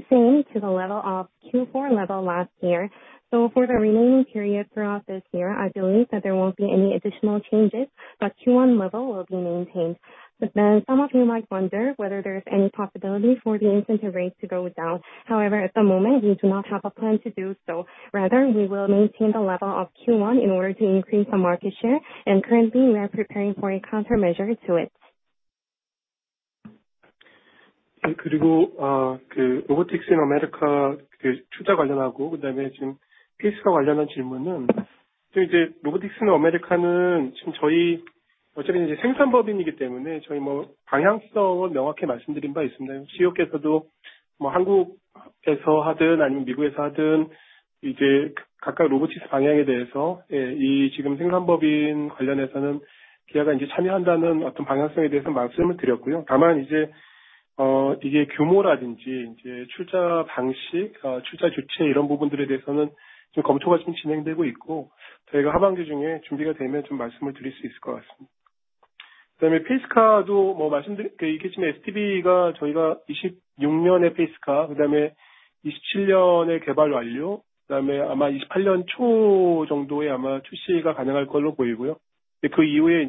same to the level of Q4 level last year. For the remaining period throughout this year, I believe that there won't be any additional changes. The Q1 level will be maintained. Some of you might wonder whether there is any possibility for the incentive rate to go down. However, at the moment, we do not have a plan to do so. Rather, we will maintain the level of Q1 in order to increase the market share, and currently we are preparing for a countermeasure to it. Robotics in America 투자 관련하고 그다음에 concept phase 관련한 질문은, Robotics in America는 지금 저희 어차피 생산법인이기 때문에 저희 방향성은 명확히 말씀드린 바 있습니다. CEO께서도 한국에서 하든 아니면 미국에서 하든 각각 로보틱스 방향에 대해서, 지금 생산법인 관련해서는 기아가 참여한다는 어떤 방향성에 대해서 말씀을 드렸고요. 다만, 이게 규모라든지 출자 방식, 출자 조치 이런 부분들에 대해서는 지금 검토가 진행되고 있고, 저희가 하반기 중에 준비가 되면 말씀을 드릴 수 있을 것 같습니다. 그다음에 phase car도 말씀드릴 게, SDV가 저희가 2026년에 concept phase, 그다음에 2027년에 개발 완료, 그다음에 아마 2028년 초 정도에 출시가 가능할 걸로 보이고요. 그 이후에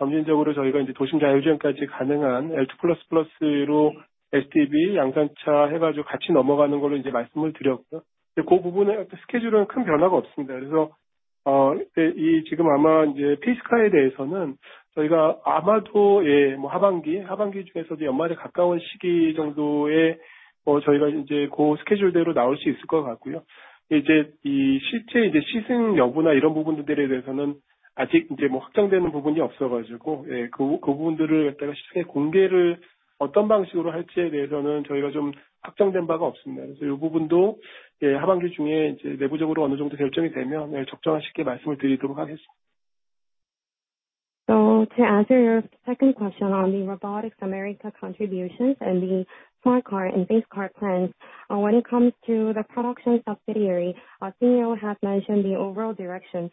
점진적으로 저희가 도심 주행까지 가능한 L2++로 SDV 양산차 해가지고 같이 넘어가는 걸로 말씀을 드렸고요. 그 부분에 스케줄은 큰 변화가 없습니다. 지금 아마 phase car에 대해서는 저희가 아마도 하반기 중에서도 연말에 가까운 시기 정도에 저희가 그 스케줄대로 나올 수 있을 것 같고요. 실제 시승 여부나 이런 부분들에 대해서는 아직 확정된 부분이 없어서, 그 부분들을 시장에 공개를 어떤 방식으로 할지에 대해서는 저희가 확정된 바가 없습니다. 이 부분도 하반기 중에 내부적으로 어느 정도 결정이 되면 적절하실 때 말씀을 드리도록 하겠습니다. To answer your second question on the Robotics America contributions and the phase car and base car plans. When it comes to the production subsidiary, our CEO have mentioned the overall direction.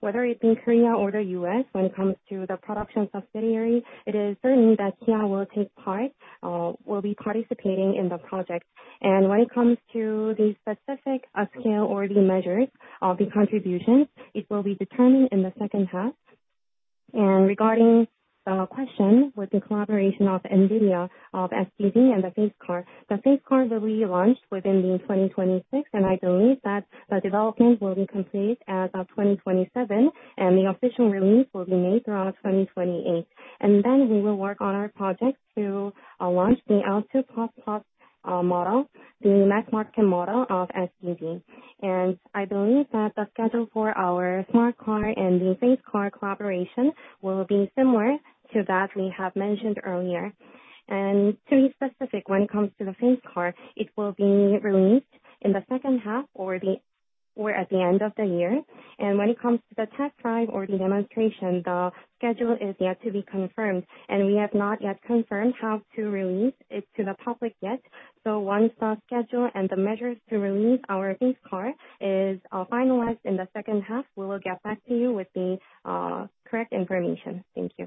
Whether it be Korea or the U.S., when it comes to the production subsidiary, it is certain that Kia will take part, will be participating in the project. When it comes to the specific scale or the measures of the contributions, it will be determined in the second half. Regarding question with the collaboration of NVIDIA, of SDV and the phase car. The phase car will be launched within the 2026, and I believe that the development will be complete at 2027 and the official release will be made around 2028. Then we will work on our project to launch the L2++ model, the mass-market model of SDV. I believe that the schedule for our smart car and the phase car collaboration will be similar to that we have mentioned earlier. To be specific, when it comes to the phase car, it will be released in the second half or at the end of the year. When it comes to the test drive or the demonstration, the schedule is yet to be confirmed, and we have not yet confirmed how to release it to the public yet. Once the schedule and the measures to release our phase car is finalized in the second half, we will get back to you with the correct information. Thank you.